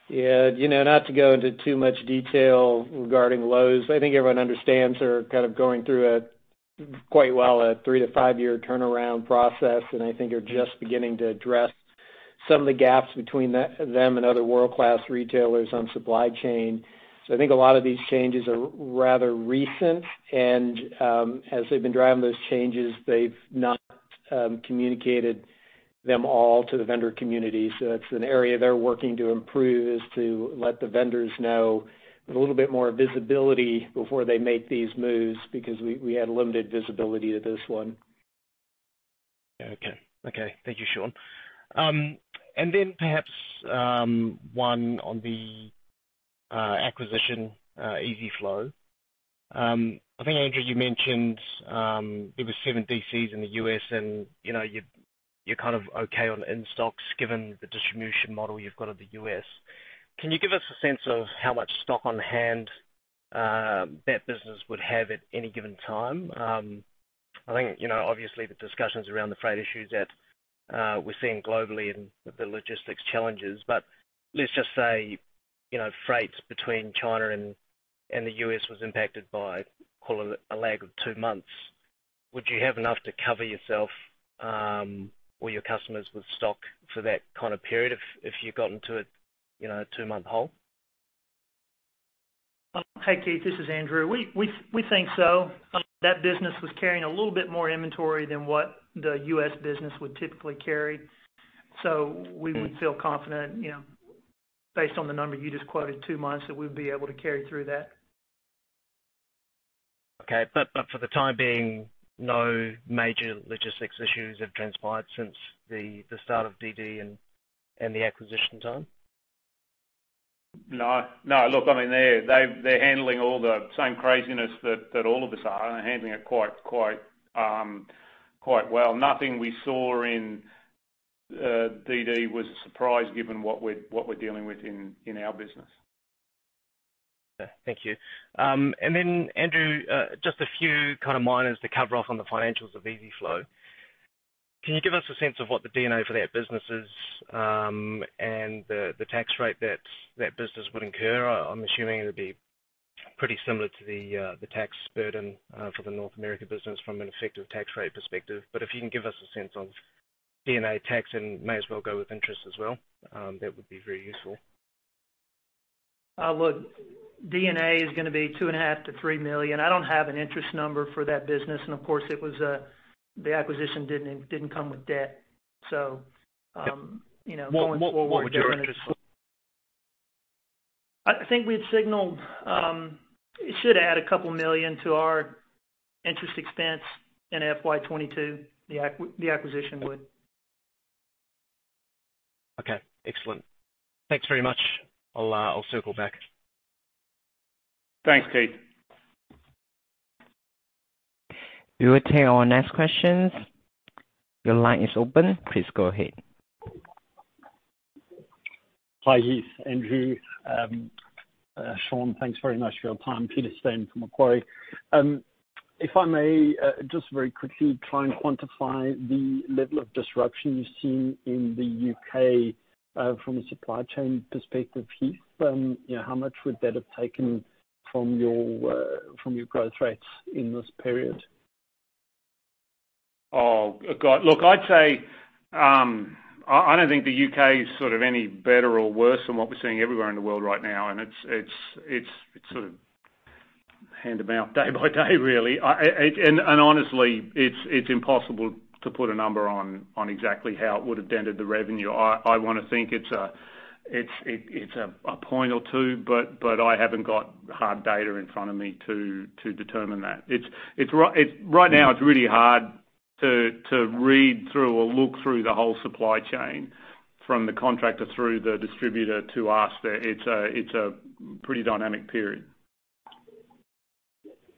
Yeah. Not to go into too much detail regarding Lowe's, I think everyone understands they're kind of going through a, quite well, a three to five-year turnaround process. I think they're just beginning to address some of the gaps between them and other world-class retailers on supply chain. I think a lot of these changes are rather recent and, as they've been driving those changes, they've not communicated them all to the vendor community. That's an area they're working to improve, is to let the vendors know with a little bit more visibility before they make these moves, because we had limited visibility to this one. Okay. Thank you, Sean. Perhaps, one on the acquisition, EZ-FLO. I think, Andrew, you mentioned it was seven DCs in the U.S. and you're kind of okay on in-stocks given the distribution model you've got at the U.S. Can you give us a sense of how much stock on hand that business would have at any given time? I think obviously the discussions around the freight issues that we're seeing globally and the logistics challenges. Let's just say freights between China and the U.S. was impacted by, call it, a lag of two months. Would you have enough to cover yourself, or your customers with stock for that kind of period if you got into a two-month hole? Hey, Keith, this is Andrew. We think so. That business was carrying a little bit more inventory than what the U.S. business would typically carry. We would feel confident based on the number you just quoted, two months, that we'd be able to carry through that. For the time being, no major logistics issues have transpired since the start of DD and the acquisition time? No. Look, they're handling all the same craziness that all of us are and are handling it quite well. Nothing we saw in DD was a surprise given what we're dealing with in our business. Thank you. Andrew, just a few kind of minors to cover off on the financials of EZ-FLO. Can you give us a sense of what the D&A for that business is, and the tax rate that that business would incur? I'm assuming it would be pretty similar to the tax burden for the North America business from an effective tax rate perspective. If you can give us a sense on D&A tax and may as well go with interest as well, that would be very useful. Look, D&A is going to be $2.5 million-$3 million. I don't have an interest number for that business, and of course the acquisition didn't come with debt. Going forward. What would you reckon it is? I think we've signaled it should add couple million to our interest expense in FY 2022, the acquisition would. Okay. Excellent. Thanks very much. I'll circle back. Thanks, Keith. We will take our next question. Your line is open. Please go ahead. Hi, Heath, Andrew, Sean. Thanks very much for your time. Peter Steyn from Macquarie. If I may, just very quickly try and quantify the level of disruption you've seen in the U.K., from a supply chain perspective, Heath. How much would that have taken from your growth rates in this period? Oh, God. Look, I'd say, I don't think the U.K. is sort of any better or worse than what we're seeing everywhere in the world right now, and it's sort of hand-to-mouth, day-by-day really. Honestly, it's impossible to put a number on exactly how it would have dented the revenue. I want to think it's a point or two, but I haven't got hard data in front of me to determine that. Right now, it's really hard to read through or look through the whole supply chain from the contractor through the distributor to us. It's a pretty dynamic period.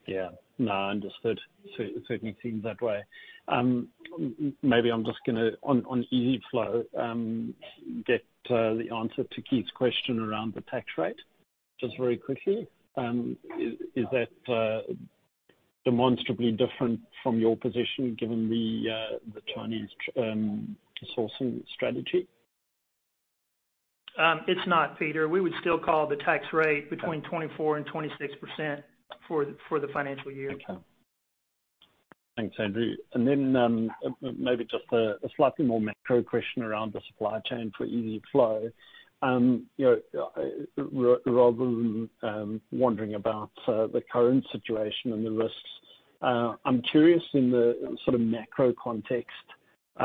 Yeah. No, understood. Certainly seems that way. Maybe I'm just gonna, on EZ-FLO, get the answer to Keith's question around the tax rate, just very quickly. Is that demonstrably different from your position given the Chinese sourcing strategy? It's not, Peter. We would still call the tax rate between 24% and 26% for the financial year. Okay. Thanks, Andrew. Maybe just a slightly more macro question around the supply chain for EZ-FLO. Rather than wondering about the current situation and the risks, I'm curious in the macro context,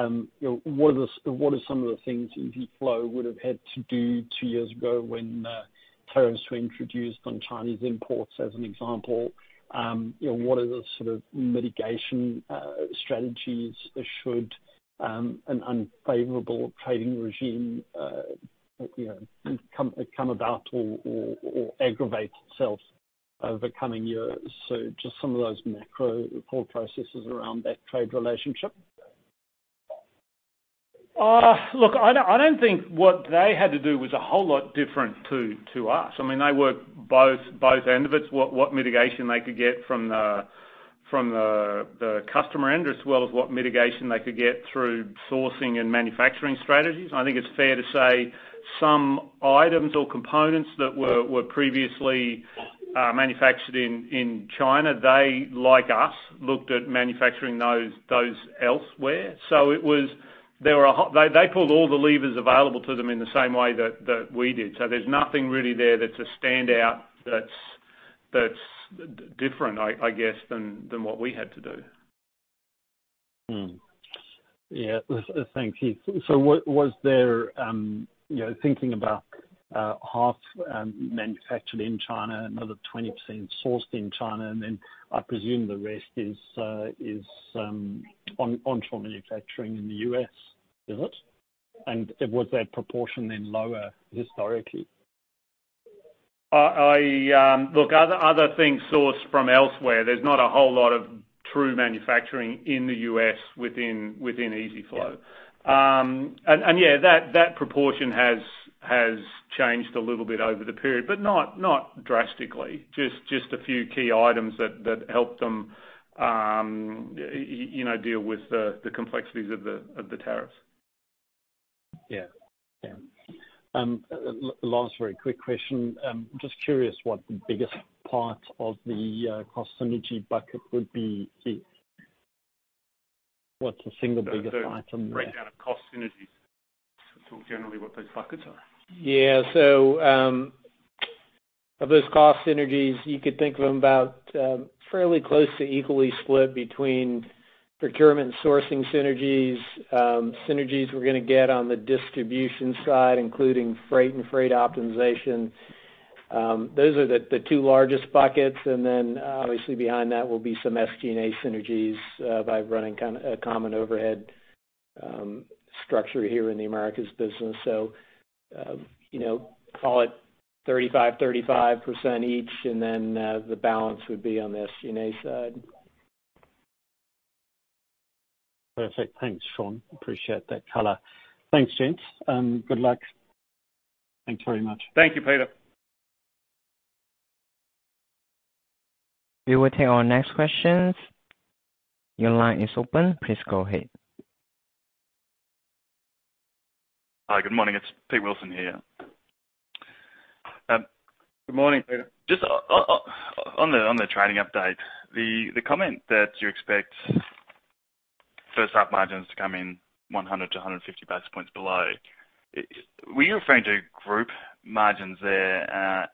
what are some of the things EZ-FLO would have had to do two years ago when tariffs were introduced on Chinese imports, as an example? What are the sort of mitigation strategies should an unfavorable trading regime come about or aggravate itself over coming years? Just some of those macro thought processes around that trade relationship. Look, I don't think what they had to do was a whole lot different to us. They were both end of it, what mitigation they could get from the customer end, as well as what mitigation they could get through sourcing and manufacturing strategies. I think it's fair to say some items or components that were previously manufactured in China, they, like us, looked at manufacturing those elsewhere. They pulled all the levers available to them in the same way that we did. There's nothing really there that's a standout that's different, I guess, than what we had to do. Yeah. Thank you. Was there, thinking about half manufactured in China, another 20% sourced in China, and then I presume the rest is on onshore manufacturing in the U.S., is it? Was that proportion then lower historically? Look, other things sourced from elsewhere. There is not a whole lot of true manufacturing in the U.S. within EZ-FLO. Yeah, that proportion has changed a little bit over the period, but not drastically. Just a few key items that help them deal with the complexities of the tariffs. Yeah. Last very quick question. Just curious what the biggest part of the cost synergy bucket would be. What's the single biggest item there? The breakdown of cost synergies. Talk generally what those buckets are. Of those cost synergies, you could think of them about fairly close to equally split between procurement and sourcing synergies. Synergies we're going to get on the distribution side, including freight and freight optimization. Those are the two largest buckets. Obviously behind that will be some SG&A synergies, by running a common overhead structure here in the Americas business. Call it 35%/35% each, and then the balance would be on the SG&A side. Perfect. Thanks, Sean. Appreciate that color. Thanks, gents. Good luck. Thanks very much. Thank you, Peter. We will take our next questions. Your line is open. Please go ahead. Hi. Good morning. It is Pete Wilson here. Good morning, Pete. Just on the trading update, the comment that you expect first half margins to come in 100-150 basis points below. Were you referring to group margins there?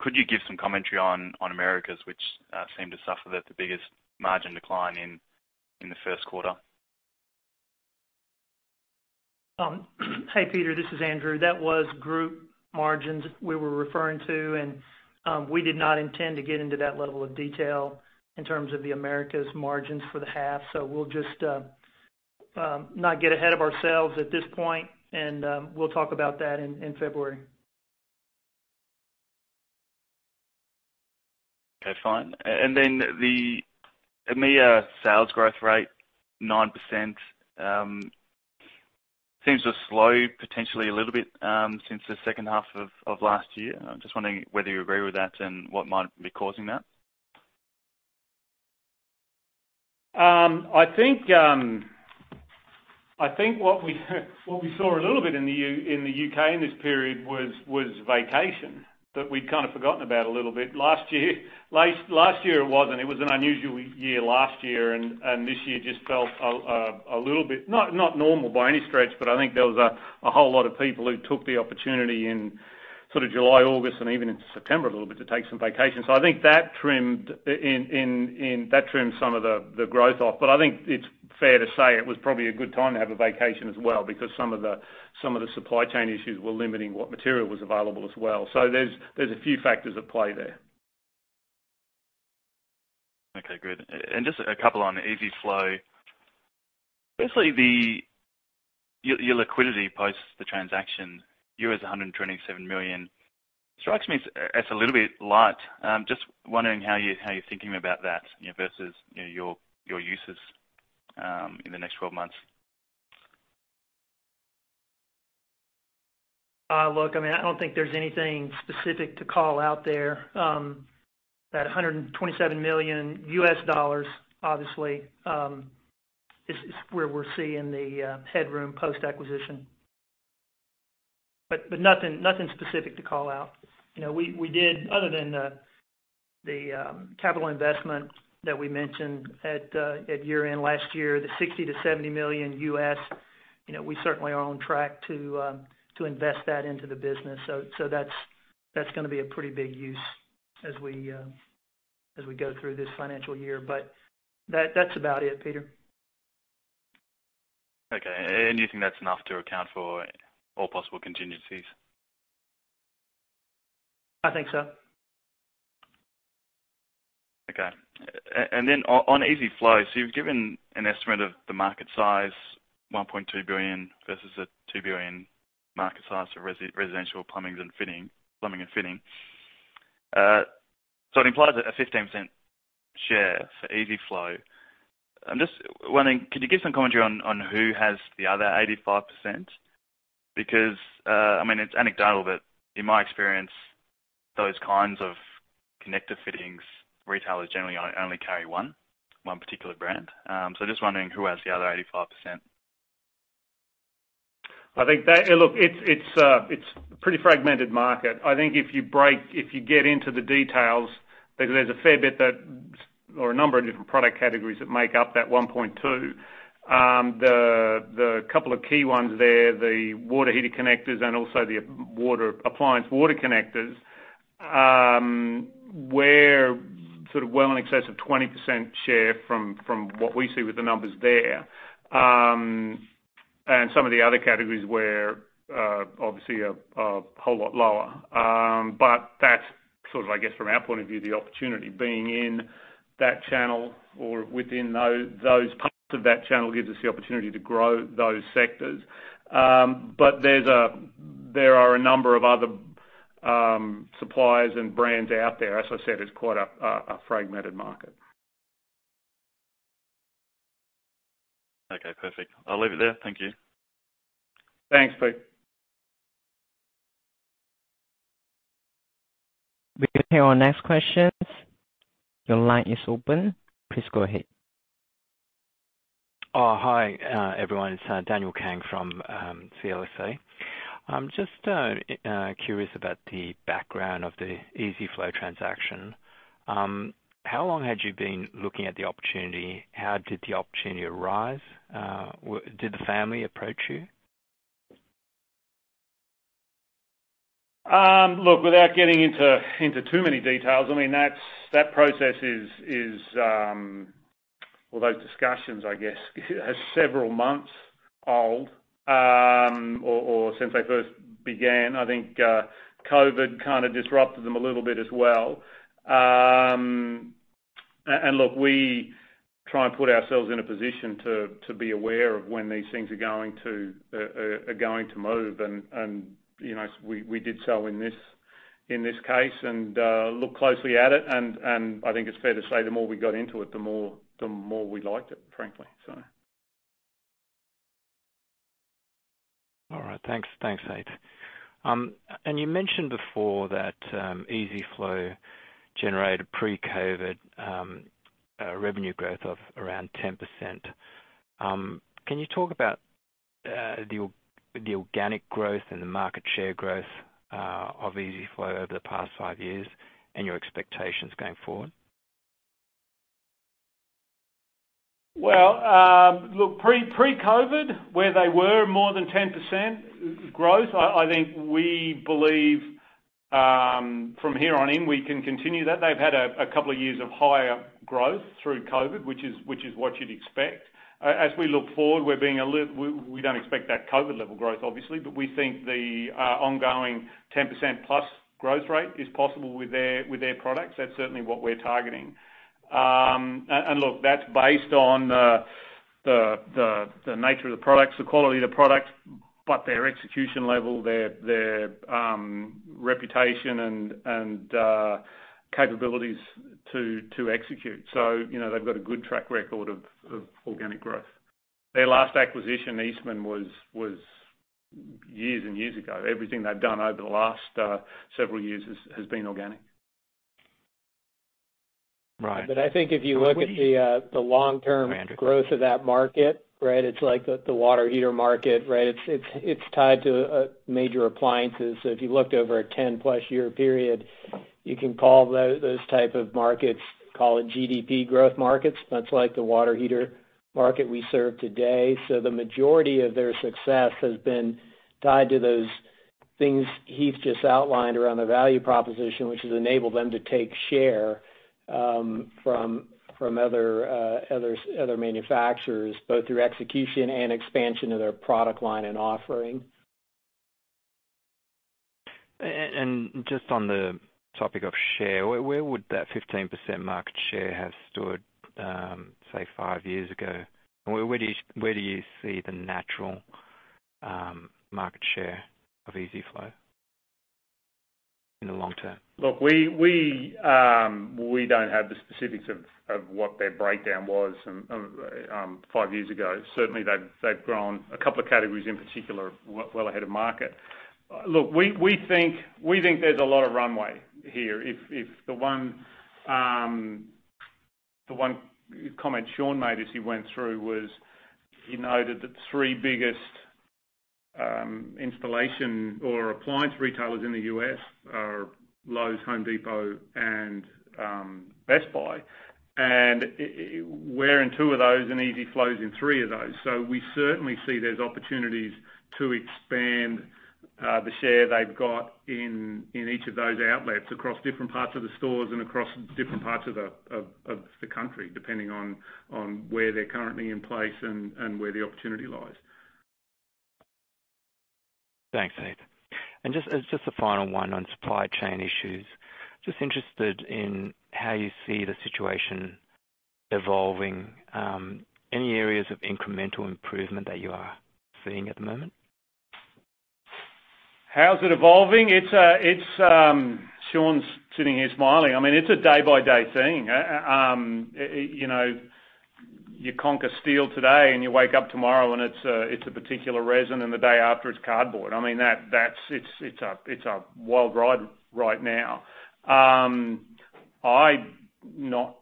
Could you give some commentary on Americas, which seem to suffer the biggest margin decline in the first quarter? Hi, Peter, this is Andrew. That was group margins we were referring to. We did not intend to get into that level of detail in terms of the Americas margins for the half. We'll just not get ahead of ourselves at this point, and we'll talk about that in February. Okay, fine. The EMEA sales growth rate, 9%, seems to have slowed potentially a little bit since the second half of last year. I am just wondering whether you agree with that and what might be causing that. I think what we saw a little bit in the U.K. in this period was vacation that we'd kind of forgotten about a little bit last year. It was an unusual year last year, and this year just felt a little bit, not normal by any stretch, but I think there was a whole lot of people who took the opportunity in July, August, and even into September a little bit, to take some vacations. I think that trimmed some of the growth off. I think it's fair to say it was probably a good time to have a vacation as well, because some of the supply chain issues were limiting what material was available as well. There's a few factors at play there. Okay, good. Just a couple on EZ-FLO. Firstly, your liquidity post the transaction, US$127 million, strikes me as a little bit light. Just wondering how you're thinking about that versus your uses in the next 12 months. Look, I don't think there's anything specific to call out there. That $127 million obviously, is where we're seeing the headroom post-acquisition. Nothing specific to call out. Other than the capital investment that we mentioned at year-end last year, the $60 million-$70 million, we certainly are on track to invest that into the business. That's going to be a pretty big use as we go through this financial year. That's about it, Pete. Okay. You think that's enough to account for all possible contingencies? I think so. Okay. On EZ-FLO, you've given an estimate of the market size, $1.2 billion versus an $2 billion market size for residential plumbing and fitting. It implies a 15% share for EZ-FLO. I'm just wondering, could you give some commentary on who has the other 85%? I mean, it's anecdotal, but in my experience, those kinds of connective fittings, retailers generally only carry one particular brand. Just wondering who has the other 85%. I think that Look, it's a pretty fragmented market. I think if you get into the details, because there's a fair bit that, or a number of different product categories that make up that $1.2 billion. The couple of key ones there, the water heater connectors and also the appliance water connectors, were sort of well in excess of 20% share from what we see with the numbers there. Some of the other categories were obviously a whole lot lower. That sort of, I guess, from our point of view, the opportunity being in that channel or within those parts of that channel gives us the opportunity to grow those sectors. There are a number of other suppliers and brands out there. As I said, it's quite a fragmented market. Okay, perfect. I'll leave it there. Thank you. Thanks, Pete. We can take our next question. Your line is open. Please go ahead. Oh, hi, everyone. It's Daniel Kang from CLSA. I'm just curious about the background of the EZ-FLO transaction. How long had you been looking at the opportunity? How did the opportunity arise? Did the family approach you? Look, without getting into too many details, I mean, Well, those discussions, I guess, are several months old, or since they first began. I think COVID kind of disrupted them a little bit as well. Look, we try and put ourselves in a position to be aware of when these things are going to move, and we did so in this case and looked closely at it, and I think it's fair to say the more we got into it, the more we liked it, frankly. All right. Thanks, Heath. You mentioned before that EZ-FLO generated pre-COVID revenue growth of around 10%. Can you talk about the organic growth and the market share growth of EZ-FLO over the past five years and your expectations going forward? Well, look, pre-COVID, where they were more than 10% growth, I think we believe from here on in, we can continue that. They've had two years of higher growth through COVID, which is what you'd expect. As we look forward, we don't expect that COVID level growth, obviously, but we think the ongoing 10%+ growth rate is possible with their products. That's certainly what we're targeting. Look, that's based on the nature of the products, the quality of the products, but their execution level, their reputation and capabilities to execute. They've got a good track record of organic growth. Their last acquisition, Eastman, was years and years ago. Everything they've done over the last several years has been organic. Right. I think if you look at the long-term growth of that market, right, it's like the water heater market, right. It's tied to major appliances. If you looked over a 10-plus year period, you can call those type of markets, call it GDP growth markets, much like the water heater market we serve today. The majority of their success has been tied to those things Heath just outlined around the value proposition, which has enabled them to take share from other manufacturers, both through execution and expansion of their product line and offering. Just on the topic of share, where would that 15% market share have stood, say, five years ago? Where do you see the natural market share of EZ-FLO in the long term? We don't have the specifics of what their breakdown was five years ago. Certainly, they've grown a couple of categories in particular, well ahead of market. We think there's a lot of runway here. The one comment Sean made as he went through was he noted the three biggest installation or appliance retailers in the U.S. are Lowe's, Home Depot, and Best Buy. We're in two of those, and EZ-FLO's in three of those. We certainly see there's opportunities to expand the share they've got in each of those outlets across different parts of the stores and across different parts of the country, depending on where they're currently in place and where the opportunity lies. Thanks, Heath. Just a final one on supply chain issues. Just interested in how you see the situation evolving. Any areas of incremental improvement that you are seeing at the moment? How is it evolving? Sean's sitting here smiling. It's a day-by-day thing. You conquer steel today, and you wake up tomorrow, and it's a particular resin, and the day after, it's cardboard. It's a wild ride right now. I'm not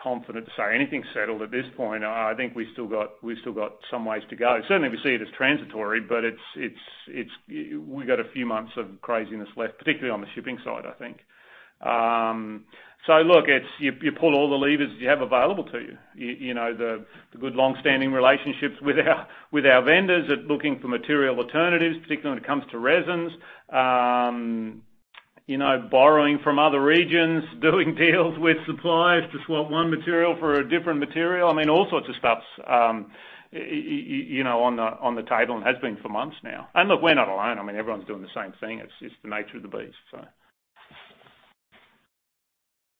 confident to say anything's settled at this point. I think we've still got some ways to go. Certainly, we see it as transitory, but we got a few months of craziness left, particularly on the shipping side, I think. Look, you pull all the levers that you have available to you. The good longstanding relationships with our vendors at looking for material alternatives, particularly when it comes to resins. Borrowing from other regions, doing deals with suppliers to swap one material for a different material. All sorts of stuff's on the table and has been for months now. Look, we're not alone. Everyone's doing the same thing. It's the nature of the beast.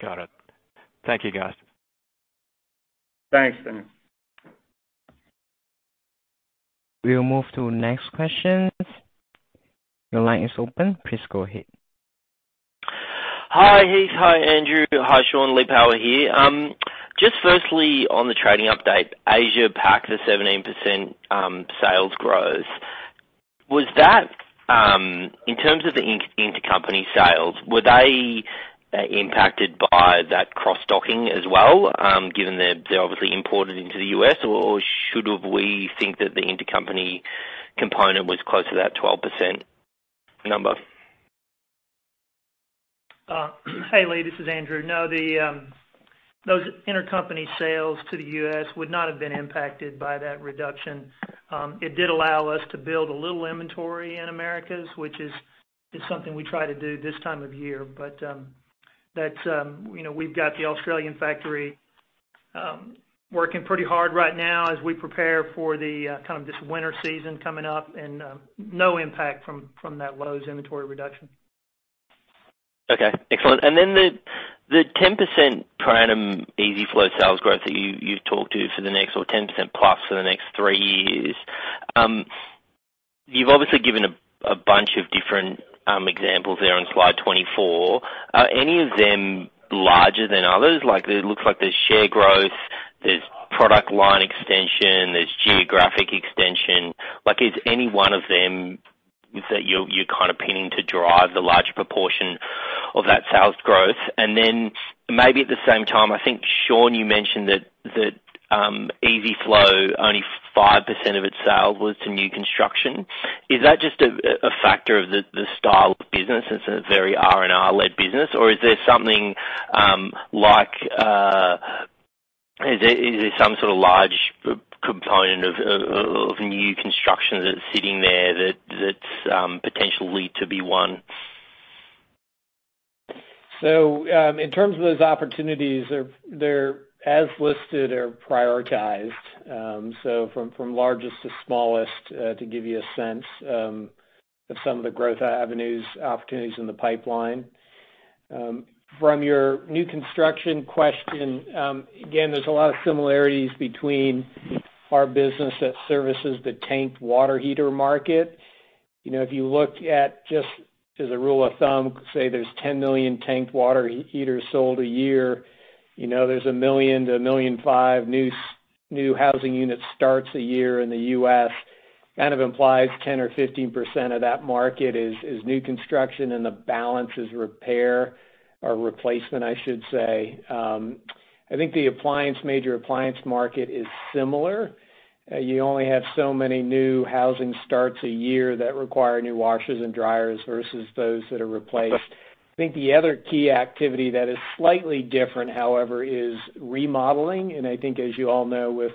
Got it. Thank you, guys. Thanks, Daniel Kang. We'll move to next questions. Your line is open. Please go ahead. Hi, Heath. Hi, Andrew. Hi, Sean. Lee Power here. Just firstly on the trading update, Asia Pac, the 17% sales growth. In terms of the intercompany sales, were they impacted by that cross-docking as well, given that they're obviously imported into the U.S., or should we think that the intercompany component was close to that 12% number? Hey, Lee, this is Andrew. No, those intercompany sales to the U.S. would not have been impacted by that reduction. It did allow us to build a little inventory in Americas, which is something we try to do this time of year. We've got the Australian factory working pretty hard right now as we prepare for this winter season coming up, and no impact from that Lowe's inventory reduction. Okay. Excellent. Then the 10% per annum EZ-FLO sales growth that you've talked to for the next or 10% plus for the next three years. You've obviously given a bunch of different examples there on slide 24. Are any of them larger than others? It looks like there's share growth, there's product line extension, there's geographic extension. Is any one of them that you're pinning to drive the larger proportion of that sales growth? Then maybe at the same time, I think, Sean, you mentioned that EZ-FLO, only 5% of its sales was to new construction. Is that just a factor of the style of business? It's a very R&R-led business, or is there some sort of large component of new construction that's sitting there that's potentially to be one? In terms of those opportunities, as listed or prioritized. From largest to smallest, to give you a sense of some of the growth avenues, opportunities in the pipeline. From your new construction question, again, there's a lot of similarities between our business that services the tanked water heater market. If you looked at just as a rule of thumb, say, there's 10 million tanked water heaters sold a year. There's 1 million-1.5 million new housing unit starts a year in the U.S., implies 10% or 15% of that market is new construction and the balance is repair or replacement, I should say. I think the major appliance market is similar. You only have so many new housing starts a year that require new washers and dryers versus those that are replaced. I think the other key activity that is slightly different, however, is remodeling. I think as you all know, with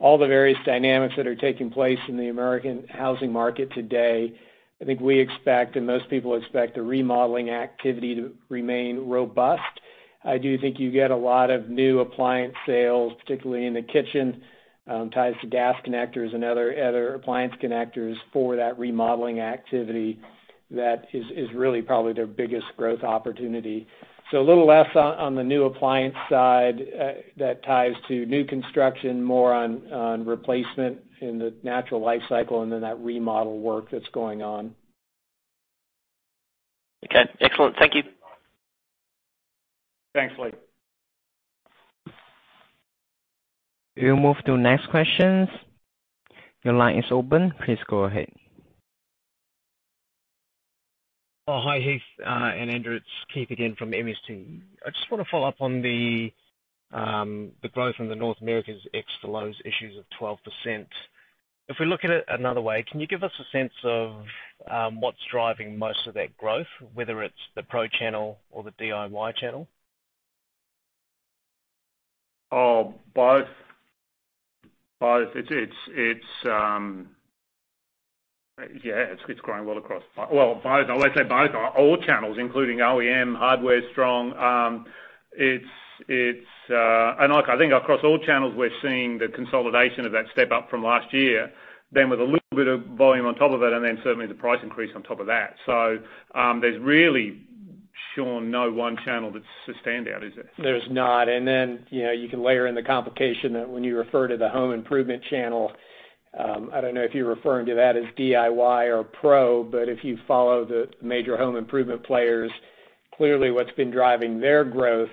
all the various dynamics that are taking place in the American housing market today, I think we expect and most people expect the remodeling activity to remain robust. I do think you get a lot of new appliance sales, particularly in the kitchen, ties to gas connectors and other appliance connectors for that remodeling activity. That is really probably their biggest growth opportunity. A little less on the new appliance side that ties to new construction, more on replacement in the natural life cycle, and then that remodel work that's going on. Okay. Excellent. Thank you. Thanks, Lee. We'll move to next questions. Your line is open. Please go ahead. Oh, hi, Heath and Andrew. It's Keith again from MST. I just want to follow up on the growth in the North Americas ex the Lowe's issues of 12%. If we look at it another way, can you give us a sense of what's driving most of that growth, whether it's the pro channel or the DIY channel? Both. It's growing well. Well, both. I won't say both. All channels, including OEM, hardware is strong. I think across all channels, we're seeing the consolidation of that step up from last year, then with a little bit of volume on top of it, and then certainly the price increase on top of that. There's really, Sean, no one channel that's the standout, is there? There's not. You can layer in the complication that when you refer to the home improvement channel, I don't know if you're referring to that as DIY or pro, but if you follow the major home improvement players, clearly what's been driving their growth,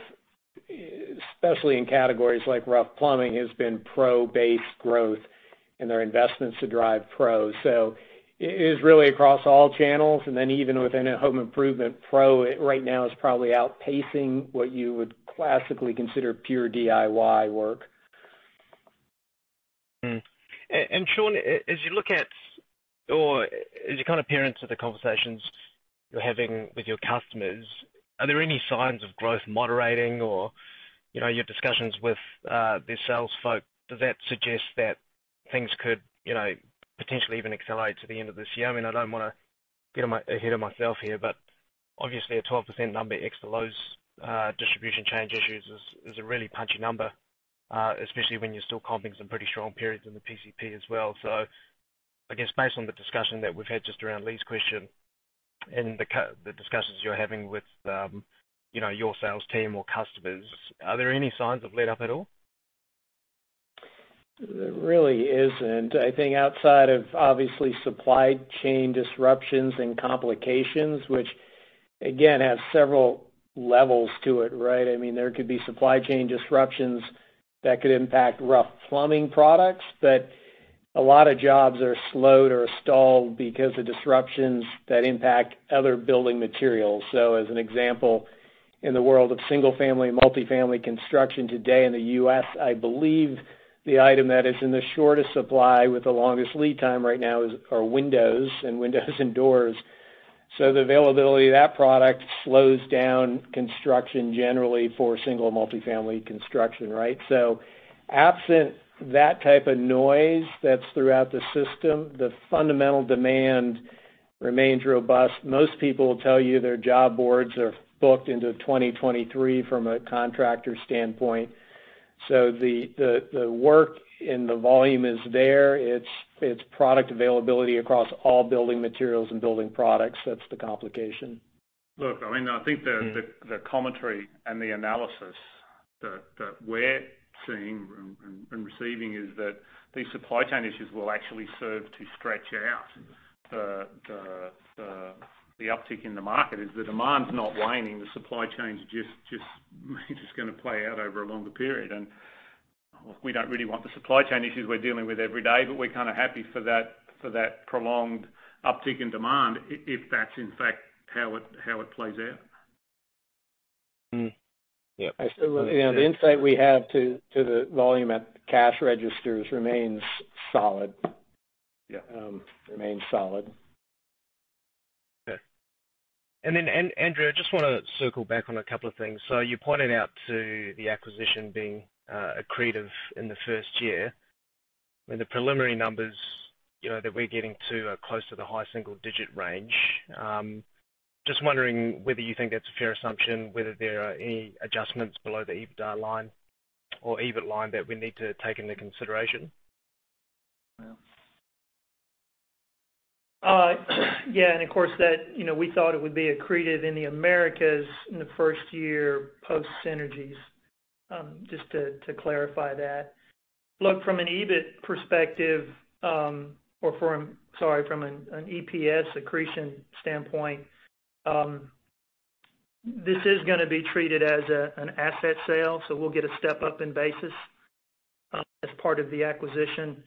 especially in categories like rough plumbing, has been pro-based growth and their investments to drive pro. It is really across all channels. Even within a home improvement pro, right now is probably outpacing what you would classically consider pure DIY work. Sean, as you look at or as you kind of peer into the conversations you're having with your customers, are there any signs of growth moderating or your discussions with the sales folk, does that suggest that things could potentially even accelerate to the end of this year? I don't want to get ahead of myself here, obviously a 12% number ex the Lowe's distribution change issues is a really punchy number, especially when you're still comping some pretty strong periods in the PCP as well. I guess based on the discussion that we've had just around Lee's question and the discussions you're having with your sales team or customers, are there any signs of letup at all? There really isn't. I think outside of obviously supply chain disruptions and complications, which again have several levels to it, right? There could be supply chain disruptions that could impact rough plumbing products, but a lot of jobs are slowed or stalled because of disruptions that impact other building materials. As an example, in the world of single-family and multifamily construction today in the U.S., I believe the item that is in the shortest supply with the longest lead time right now are windows and doors. The availability of that product slows down construction generally for single multifamily construction, right? Absent that type of noise that's throughout the system, the fundamental demand remains robust. Most people will tell you their job boards are booked into 2023 from a contractor standpoint. The work and the volume is there. It's product availability across all building materials and building products that's the complication. Look, I think the commentary and the analysis that we're seeing and receiving is that these supply chain issues will actually serve to stretch out the uptick in the market, is the demand's not waning, the supply chain's just going to play out over a longer period. We don't really want the supply chain issues we're dealing with every day, but we're kind of happy for that prolonged uptick in demand, if that's in fact how it plays out. The insight we have to the volume at the cash registers remains solid. Yeah. Remains solid. Okay. Andrew, I just want to circle back on a couple of things. You pointed out to the acquisition being accretive in the first year. I mean, the preliminary numbers that we're getting too are close to the high single-digit range. Just wondering whether you think that's a fair assumption, whether there are any adjustments below the EBITDA line or EBIT line that we need to take into consideration. Yeah. Of course, we thought it would be accretive in the Americas in the first year post synergies, just to clarify that. Look, from an EBIT perspective, or from, sorry, from an EPS accretion standpoint, this is going to be treated as an asset sale, we'll get a step-up in basis as part of the acquisition.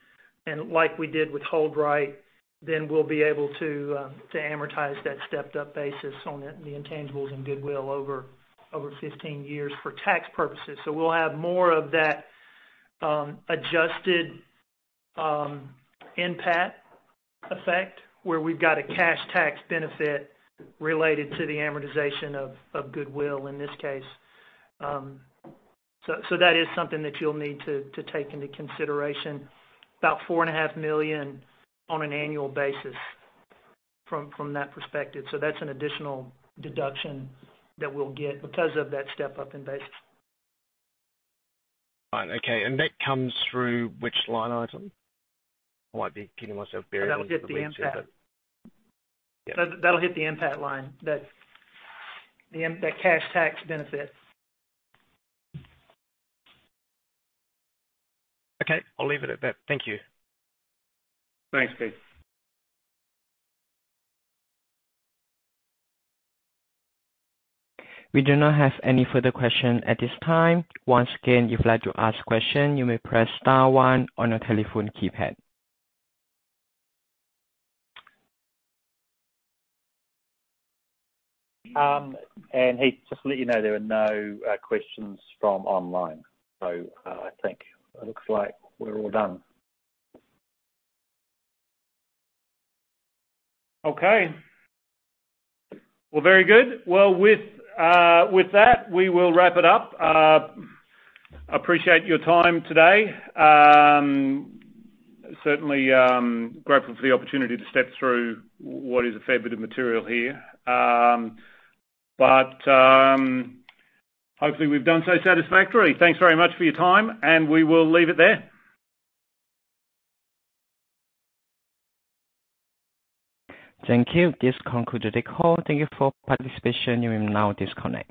Like we did with HoldRite, we'll be able to amortize that stepped-up basis on the intangibles and goodwill over 15 years for tax purposes. We'll have more of that adjusted NPAT effect, where we've got a cash tax benefit related to the amortization of goodwill in this case. That is something that you'll need to take into consideration. About $4.5 million on an annual basis from that perspective. That's an additional deduction that we'll get because of that step-up in basis. Fine. Okay. That comes through which line item? I might be kidding myself here. That'll hit the NPAT. That'll hit the NPAT line, that cash tax benefit. Okay. I'll leave it at that. Thank you. Thanks, Pete. We do not have any further questions at this time. Once again if you would like to ask a question you may press star one on your telephone keypad. Heath, just to let you know, there are no questions from online. I think it looks like we're all done. Okay. Well, very good. Well, with that, we will wrap it up. Appreciate your time today. Certainly, grateful for the opportunity to step through what is a fair bit of material here. Hopefully we've done so satisfactorily. Thanks very much for your time, and we will leave it there. Thank you. This concludes the call. Thank you for participation. You may now disconnect.